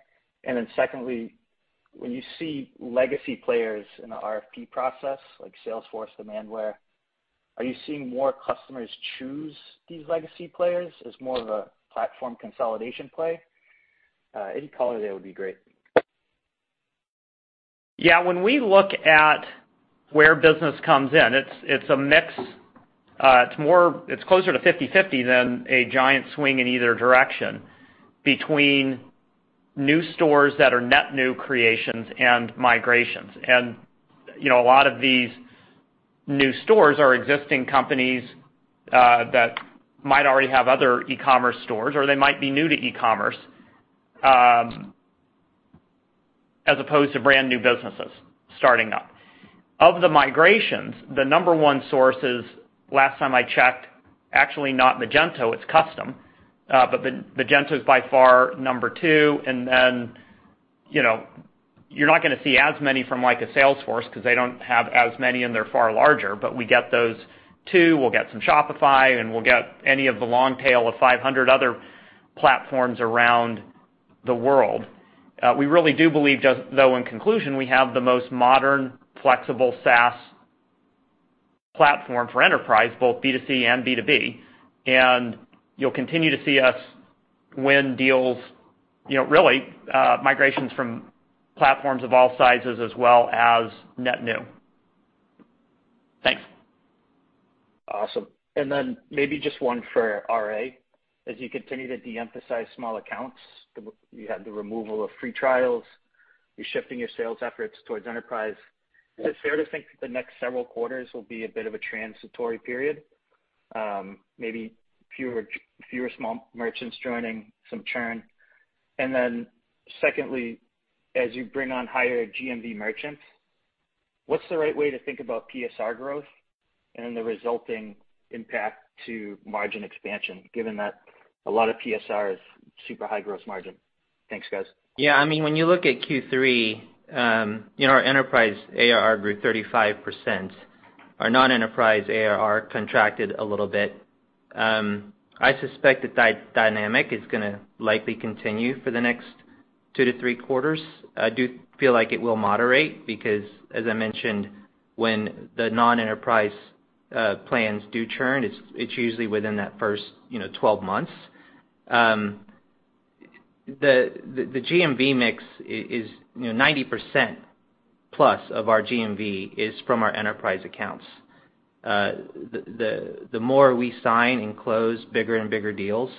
Secondly, when you see legacy players in the RFP process, like Salesforce, Demandware, are you seeing more customers choose these legacy players as more of a platform consolidation play? Any color there would be great. Yeah. When we look at where business comes in, it's a mix. It's closer to 50/50 than a giant swing in either direction between new stores that are net new creations and migrations. You know, a lot of these new stores are existing companies that might already have other e-commerce stores, or they might be new to e-commerce as opposed to brand new businesses starting up. Of the migrations, the number one source is, last time I checked, actually not Magento, it's custom. Magento is by far number two, and then, you know, you're not gonna see as many from like a Salesforce because they don't have as many, and they're far larger. We get those two, we'll get some Shopify, and we'll get any of the long tail of 500 other platforms around the world. We really do believe just, though, in conclusion, we have the most modern, flexible SaaS platform for enterprise, both B2C and B2B. You'll continue to see us win deals, you know, really, migrations from platforms of all sizes as well as net new. Thanks. Awesome. Then maybe just one for RA. As you continue to deemphasize small accounts, you have the removal of free trials, you're shifting your sales efforts towards enterprise. Is it fair to think that the next several quarters will be a bit of a transitory period, maybe fewer small merchants joining, some churn? Secondly, as you bring on higher GMV merchants, what's the right way to think about PSR growth and the resulting impact to margin expansion, given that a lot of PSR is super high gross margin? Thanks, guys. Yeah. I mean, when you look at Q3, you know, our enterprise ARR grew 35%. Our non-enterprise ARR contracted a little bit. I suspect that dynamic is gonna likely continue for the next 2-3 quarters. I do feel like it will moderate because, as I mentioned, when the non-enterprise plans do churn, it's usually within that first, you know, 12 months. The GMV mix is, you know, 90% plus of our GMV is from our enterprise accounts. The more we sign and close bigger and bigger deals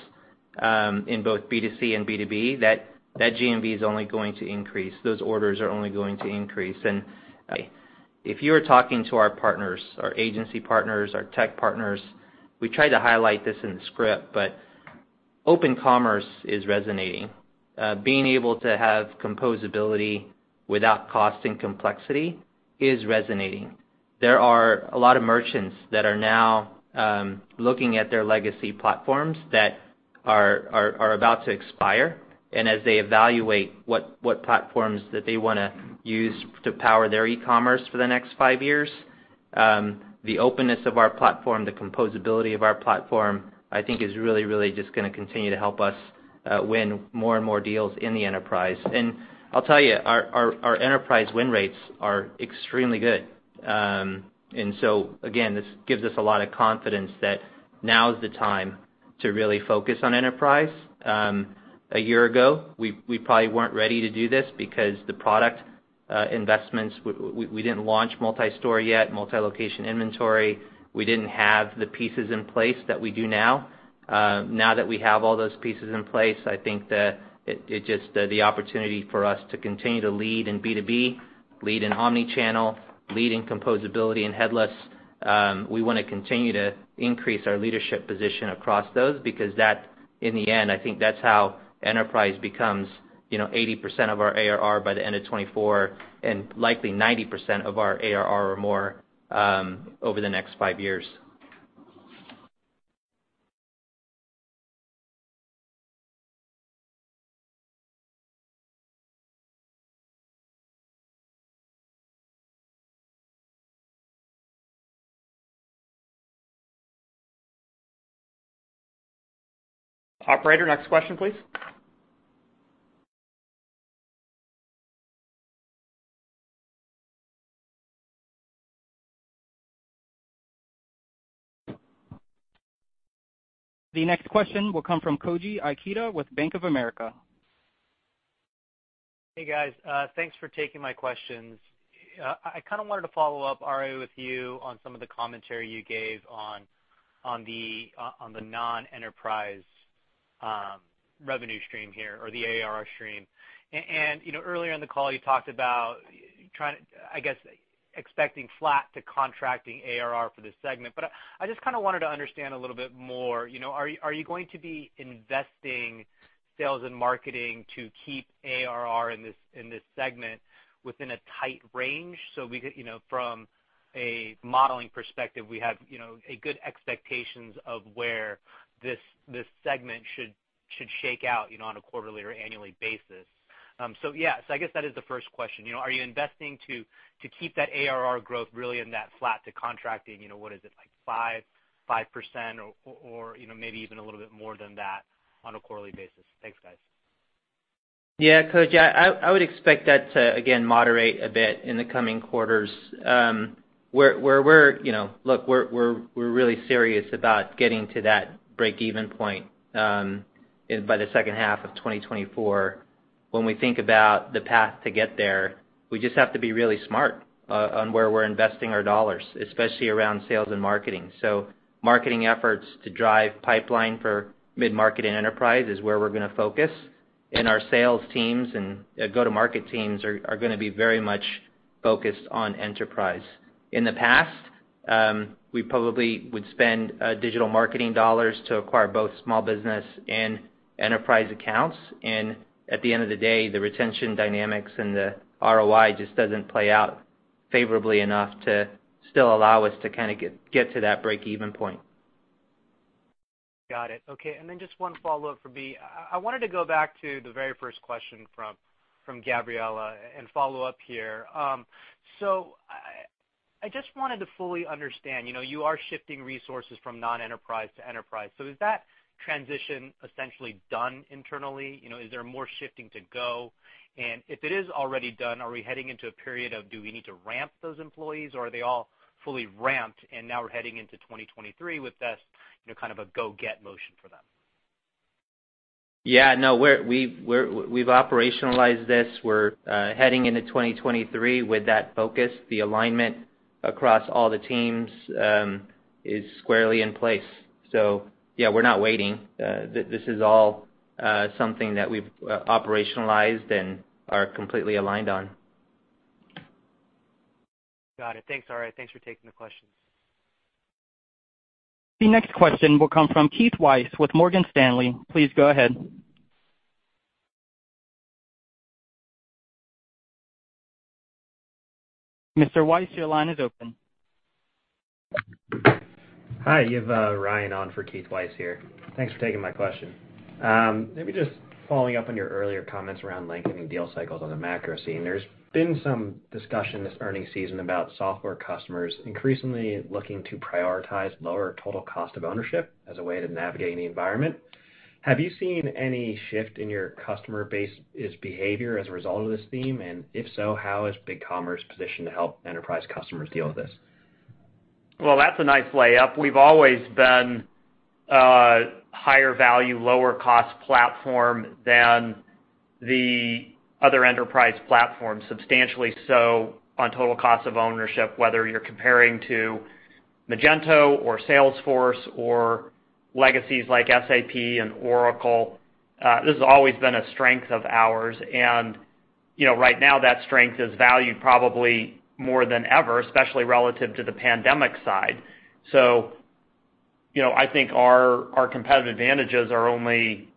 in both B2C and B2B, that GMV is only going to increase. Those orders are only going to increase. If you're talking to our partners, our agency partners, our tech partners, we try to highlight this in the script, but open commerce is resonating. Being able to have composability without causing complexity is resonating. There are a lot of merchants that are now looking at their legacy platforms that are about to expire, and as they evaluate what platforms that they wanna use to power their e-commerce for the next five years, the openness of our platform, the composability of our platform, I think is really just gonna continue to help us win more and more deals in the enterprise. I'll tell you, our enterprise win rates are extremely good. Again, this gives us a lot of confidence that now is the time to really focus on enterprise. A year ago, we probably weren't ready to do this because the product investments, we didn't launch Multi-Storefront yet, multi-location inventory. We didn't have the pieces in place that we do now. Now that we have all those pieces in place, I think the opportunity for us to continue to lead in B2B, lead in omnichannel, lead in composability and headless, we wanna continue to increase our leadership position across those because that's, in the end, I think that's how enterprise becomes, you know, 80% of our ARR by the end of 2024, and likely 90% of our ARR or more, over the next five years. Operator, next question, please. The next question will come from Koji Ikeda with Bank of America. Hey, guys. Thanks for taking my questions. I kinda wanted to follow up, RA, with you on some of the commentary you gave on the non-enterprise revenue stream here, or the ARR stream. You know, earlier in the call, you talked about, I guess, expecting flat to contracting ARR for this segment. But I just kinda wanted to understand a little bit more, you know, are you going to be investing sales and marketing to keep ARR in this segment within a tight range so we could, you know, from a modeling perspective, we have, you know, a good expectations of where this segment should shake out, you know, on a quarterly or annually basis? Yeah, I guess that is the first question. You know, are you investing to keep that ARR growth really in that flat to contracting, you know, what is it, like 5% or, you know, maybe even a little bit more than that on a quarterly basis? Thanks, guys. Yeah, Koji, I would expect that to, again, moderate a bit in the coming quarters. Look, we're really serious about getting to that break-even point by the second half of 2024. When we think about the path to get there, we just have to be really smart on where we're investing our dollars, especially around sales and marketing. Marketing efforts to drive pipeline for mid-market and enterprise is where we're gonna focus, and our sales teams and go-to-market teams are gonna be very much focused on enterprise. In the past, we probably would spend digital marketing dollars to acquire both small business and enterprise accounts. At the end of the day, the retention dynamics and the ROI just doesn't play out favorably enough to still allow us to kinda get to that break-even point. Got it. Okay. Then just one follow-up for me. I wanted to go back to the very first question from Gabriela and follow up here. So I just wanted to fully understand, you know, you are shifting resources from non-enterprise to enterprise. Is that transition essentially done internally? You know, is there more shifting to go? And if it is already done, are we heading into a period of do we need to ramp those employees, or are they all fully ramped and now we're heading into 2023 with this, you know, kind of a go-get motion for them? Yeah, no, we've operationalized this. We're heading into 2023 with that focus. The alignment across all the teams is squarely in place. Yeah, we're not waiting. This is all something that we've operationalized and are completely aligned on. Got it. Thanks, RA. Thanks for taking the questions. The next question will come from Keith Weiss with Morgan Stanley. Please go ahead. Mr. Weiss, your line is open. Hi. You have Ryan on for Keith Weiss here. Thanks for taking my question. Maybe just following up on your earlier comments around lengthening deal cycles on the macro scene. There's been some discussion this earnings season about software customers increasingly looking to prioritize lower total cost of ownership as a way to navigate the environment. Have you seen any shift in your customer base's behavior as a result of this theme? If so, how is BigCommerce positioned to help enterprise customers deal with this? Well, that's a nice layup. We've always been a higher value, lower cost platform than the other enterprise platforms, substantially so on total cost of ownership, whether you're comparing to Magento or Salesforce or legacies like SAP and Oracle. This has always been a strength of ours. You know, right now that strength is valued probably more than ever, especially relative to the pandemic side. You know, I think our competitive advantages are only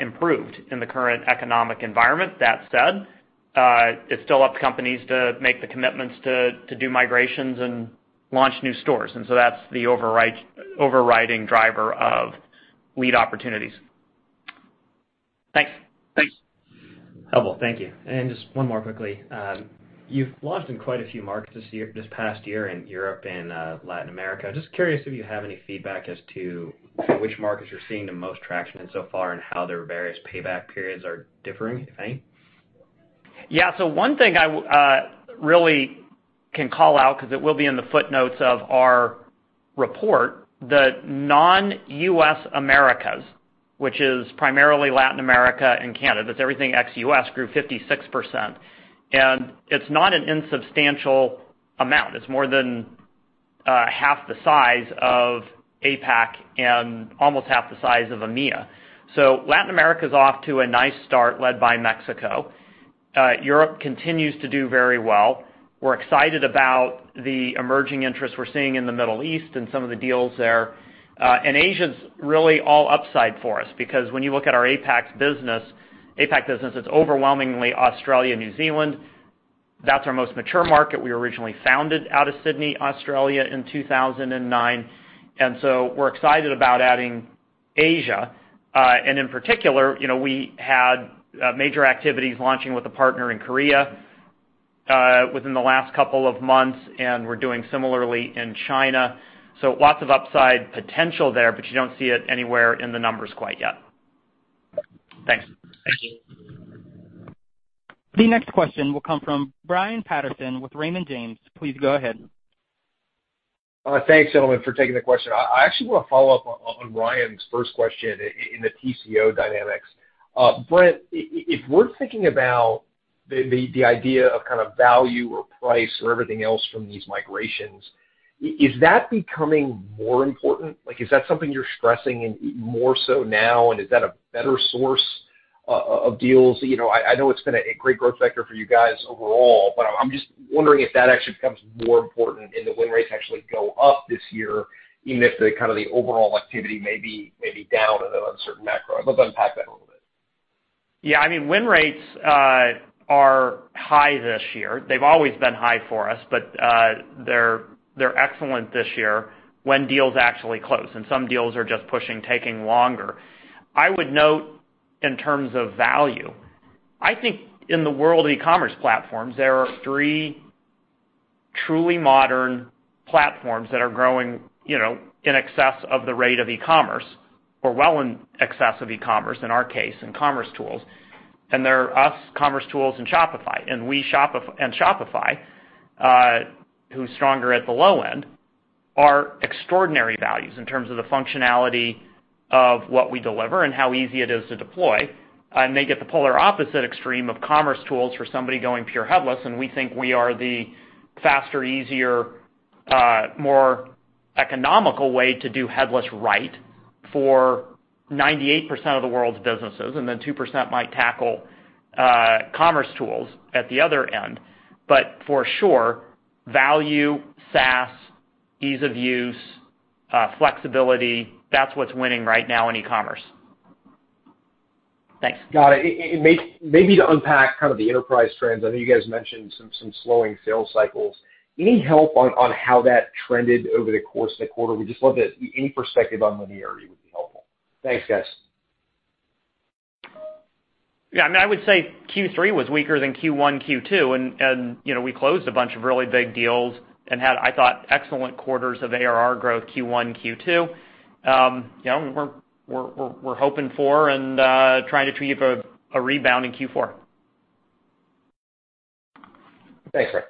improved in the current economic environment. That said, it's still up to companies to make the commitments to do migrations and launch new stores. That's the overriding driver of lead opportunities. Thanks. Thanks. Helpful. Thank you. Just one more quickly. You've launched in quite a few markets this past year in Europe and Latin America. Just curious if you have any feedback as to which markets you're seeing the most traction in so far and how their various payback periods are differing, if any? Yeah. One thing I really can call out 'cause it will be in the footnotes of our report, the non-U.S. Americas, which is primarily Latin America and Canada, it's everything ex-U.S., grew 56%. It's not an insubstantial amount. It's more than half the size of APAC and almost half the size of EMEA. Latin America's off to a nice start led by Mexico. Europe continues to do very well. We're excited about the emerging interest we're seeing in the Middle East and some of the deals there. Asia's really all upside for us because when you look at our APAC business, it's overwhelmingly Australia, New Zealand. That's our most mature market. We originally founded out of Sydney, Australia in 2009. We're excited about adding Asia. In particular, you know, we had major activities launching with a partner in Korea within the last couple of months, and we're doing similarly in China. Lots of upside potential there, you don't see it anywhere in the numbers quite yet. Thanks. Thank you. The next question will come from Brian Peterson with Raymond James. Please go ahead. Thanks, gentlemen, for taking the question. I actually wanna follow up on Brian's first question in the TCO dynamics. Brent, if we're thinking about the idea of kinda value or price or everything else from these migrations, is that becoming more important? Like, is that something you're stressing in even more so now, and is that a better source of deals? You know, I know it's been a great growth vector for you guys overall, but I'm just wondering if that actually becomes more important and the win rates actually go up this year, even if the kind of the overall activity may be down in an uncertain macro. I'd love to unpack that a little bit. Yeah. I mean, win rates are high this year. They've always been high for us, but they're excellent this year when deals actually close, and some deals are just pushing, taking longer. I would note in terms of value, I think in the world of e-commerce platforms, there are three truly modern platforms that are growing, you know, in excess of the rate of e-commerce or well in excess of e-commerce in our case, in commercetools. They're us, commercetools, and Shopify, who's stronger at the low end, are extraordinary values in terms of the functionality of what we deliver and how easy it is to deploy. They get the polar opposite extreme of commercetools for somebody going pure headless, and we think we are the faster, easier, more economical way to do headless right for 98% of the world's businesses, and then 2% might tackle commercetools at the other end. For sure, value, SaaS, ease of use, flexibility, that's what's winning right now in e-commerce. Thanks. Got it. Maybe to unpack kind of the enterprise trends, I know you guys mentioned some slowing sales cycles. Any help on how that trended over the course of the quarter? Any perspective on linearity would be helpful. Thanks, guys. Yeah. I mean, I would say Q3 was weaker than Q1, Q2, and you know, we closed a bunch of really big deals and had, I thought, excellent quarters of ARR growth Q1, Q2. You know, we're hoping for and trying to achieve a rebound in Q4. Thanks, Brent.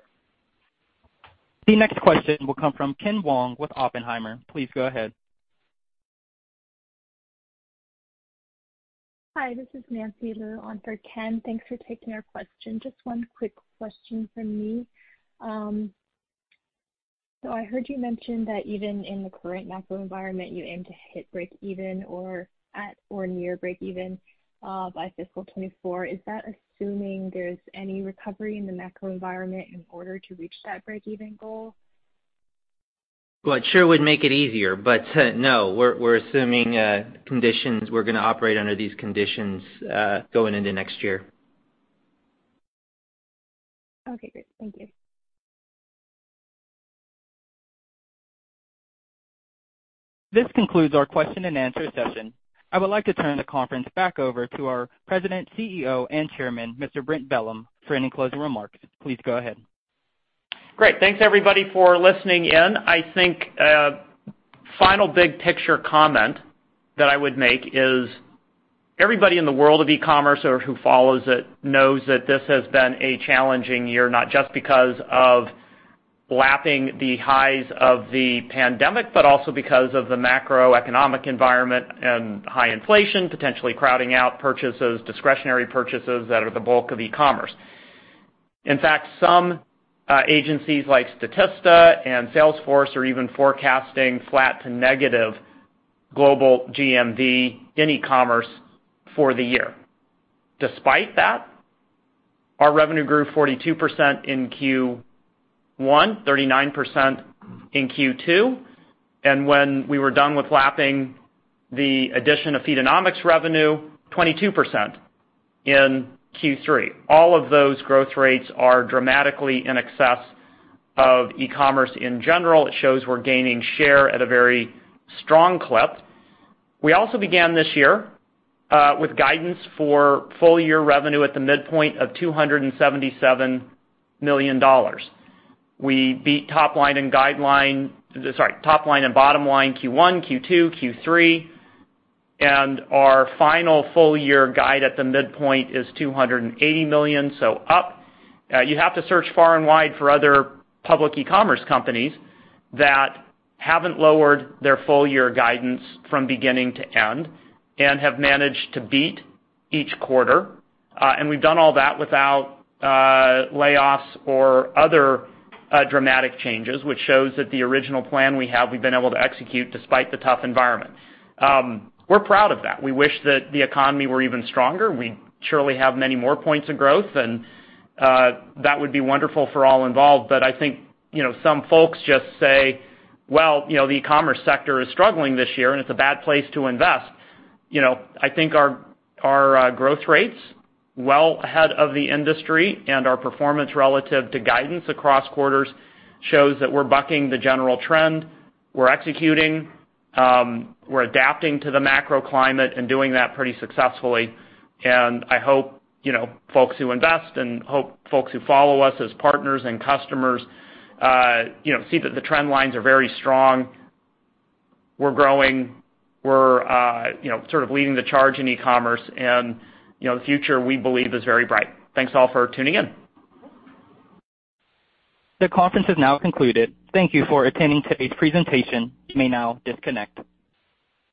The next question will come from Ken Wong with Oppenheimer. Please go ahead. Hi, this is Nancy Liu on for Ken. Thanks for taking our question. Just one quick question from me. So I heard you mention that even in the current macro environment, you aim to hit break even or at or near break even by fiscal 2024. Is that assuming there's any recovery in the macro environment in order to reach that break even goal? Well, it sure would make it easier, but no, we're gonna operate under these conditions going into next year. Okay, great. Thank you. This concludes our question and answer session. I would like to turn the conference back over to our President, CEO, and Chairman, Mr. Brent Bellm, for any closing remarks. Please go ahead. Great. Thanks everybody for listening in. I think, final big picture comment that I would make is everybody in the world of e-commerce or who follows it knows that this has been a challenging year, not just because of lapping the highs of the pandemic, but also because of the macroeconomic environment and high inflation, potentially crowding out purchases, discretionary purchases that are the bulk of e-commerce. In fact, some agencies like Statista and Salesforce are even forecasting flat to negative global GMV in e-commerce for the year. Despite that, our revenue grew 42% in Q1, 39% in Q2, and when we were done with lapping the addition of Feedonomics revenue, 22% in Q3. All of those growth rates are dramatically in excess of e-commerce in general. It shows we're gaining share at a very strong clip. We also began this year with guidance for full year revenue at the midpoint of $277 million. We beat top line and bottom line Q1, Q2, Q3. Our final full year guide at the midpoint is $280 million, so up. You have to search far and wide for other public e-commerce companies that haven't lowered their full year guidance from beginning to end and have managed to beat each quarter. We've done all that without layoffs or other dramatic changes, which shows that the original plan we have, we've been able to execute despite the tough environment. We're proud of that. We wish that the economy were even stronger. We'd surely have many more points of growth, and that would be wonderful for all involved. I think, you know, some folks just say, "Well, you know, the e-commerce sector is struggling this year, and it's a bad place to invest." You know, I think our growth rate's well ahead of the industry, and our performance relative to guidance across quarters shows that we're bucking the general trend. We're executing, we're adapting to the macroclimate and doing that pretty successfully. I hope, you know, folks who invest and hope folks who follow us as partners and customers, you know, see that the trend lines are very strong. We're growing. We're, you know, sort of leading the charge in e-commerce and, you know, the future, we believe, is very bright. Thanks all for tuning in. This conference has now concluded. Thank you for attending today's presentation. You may now disconnect.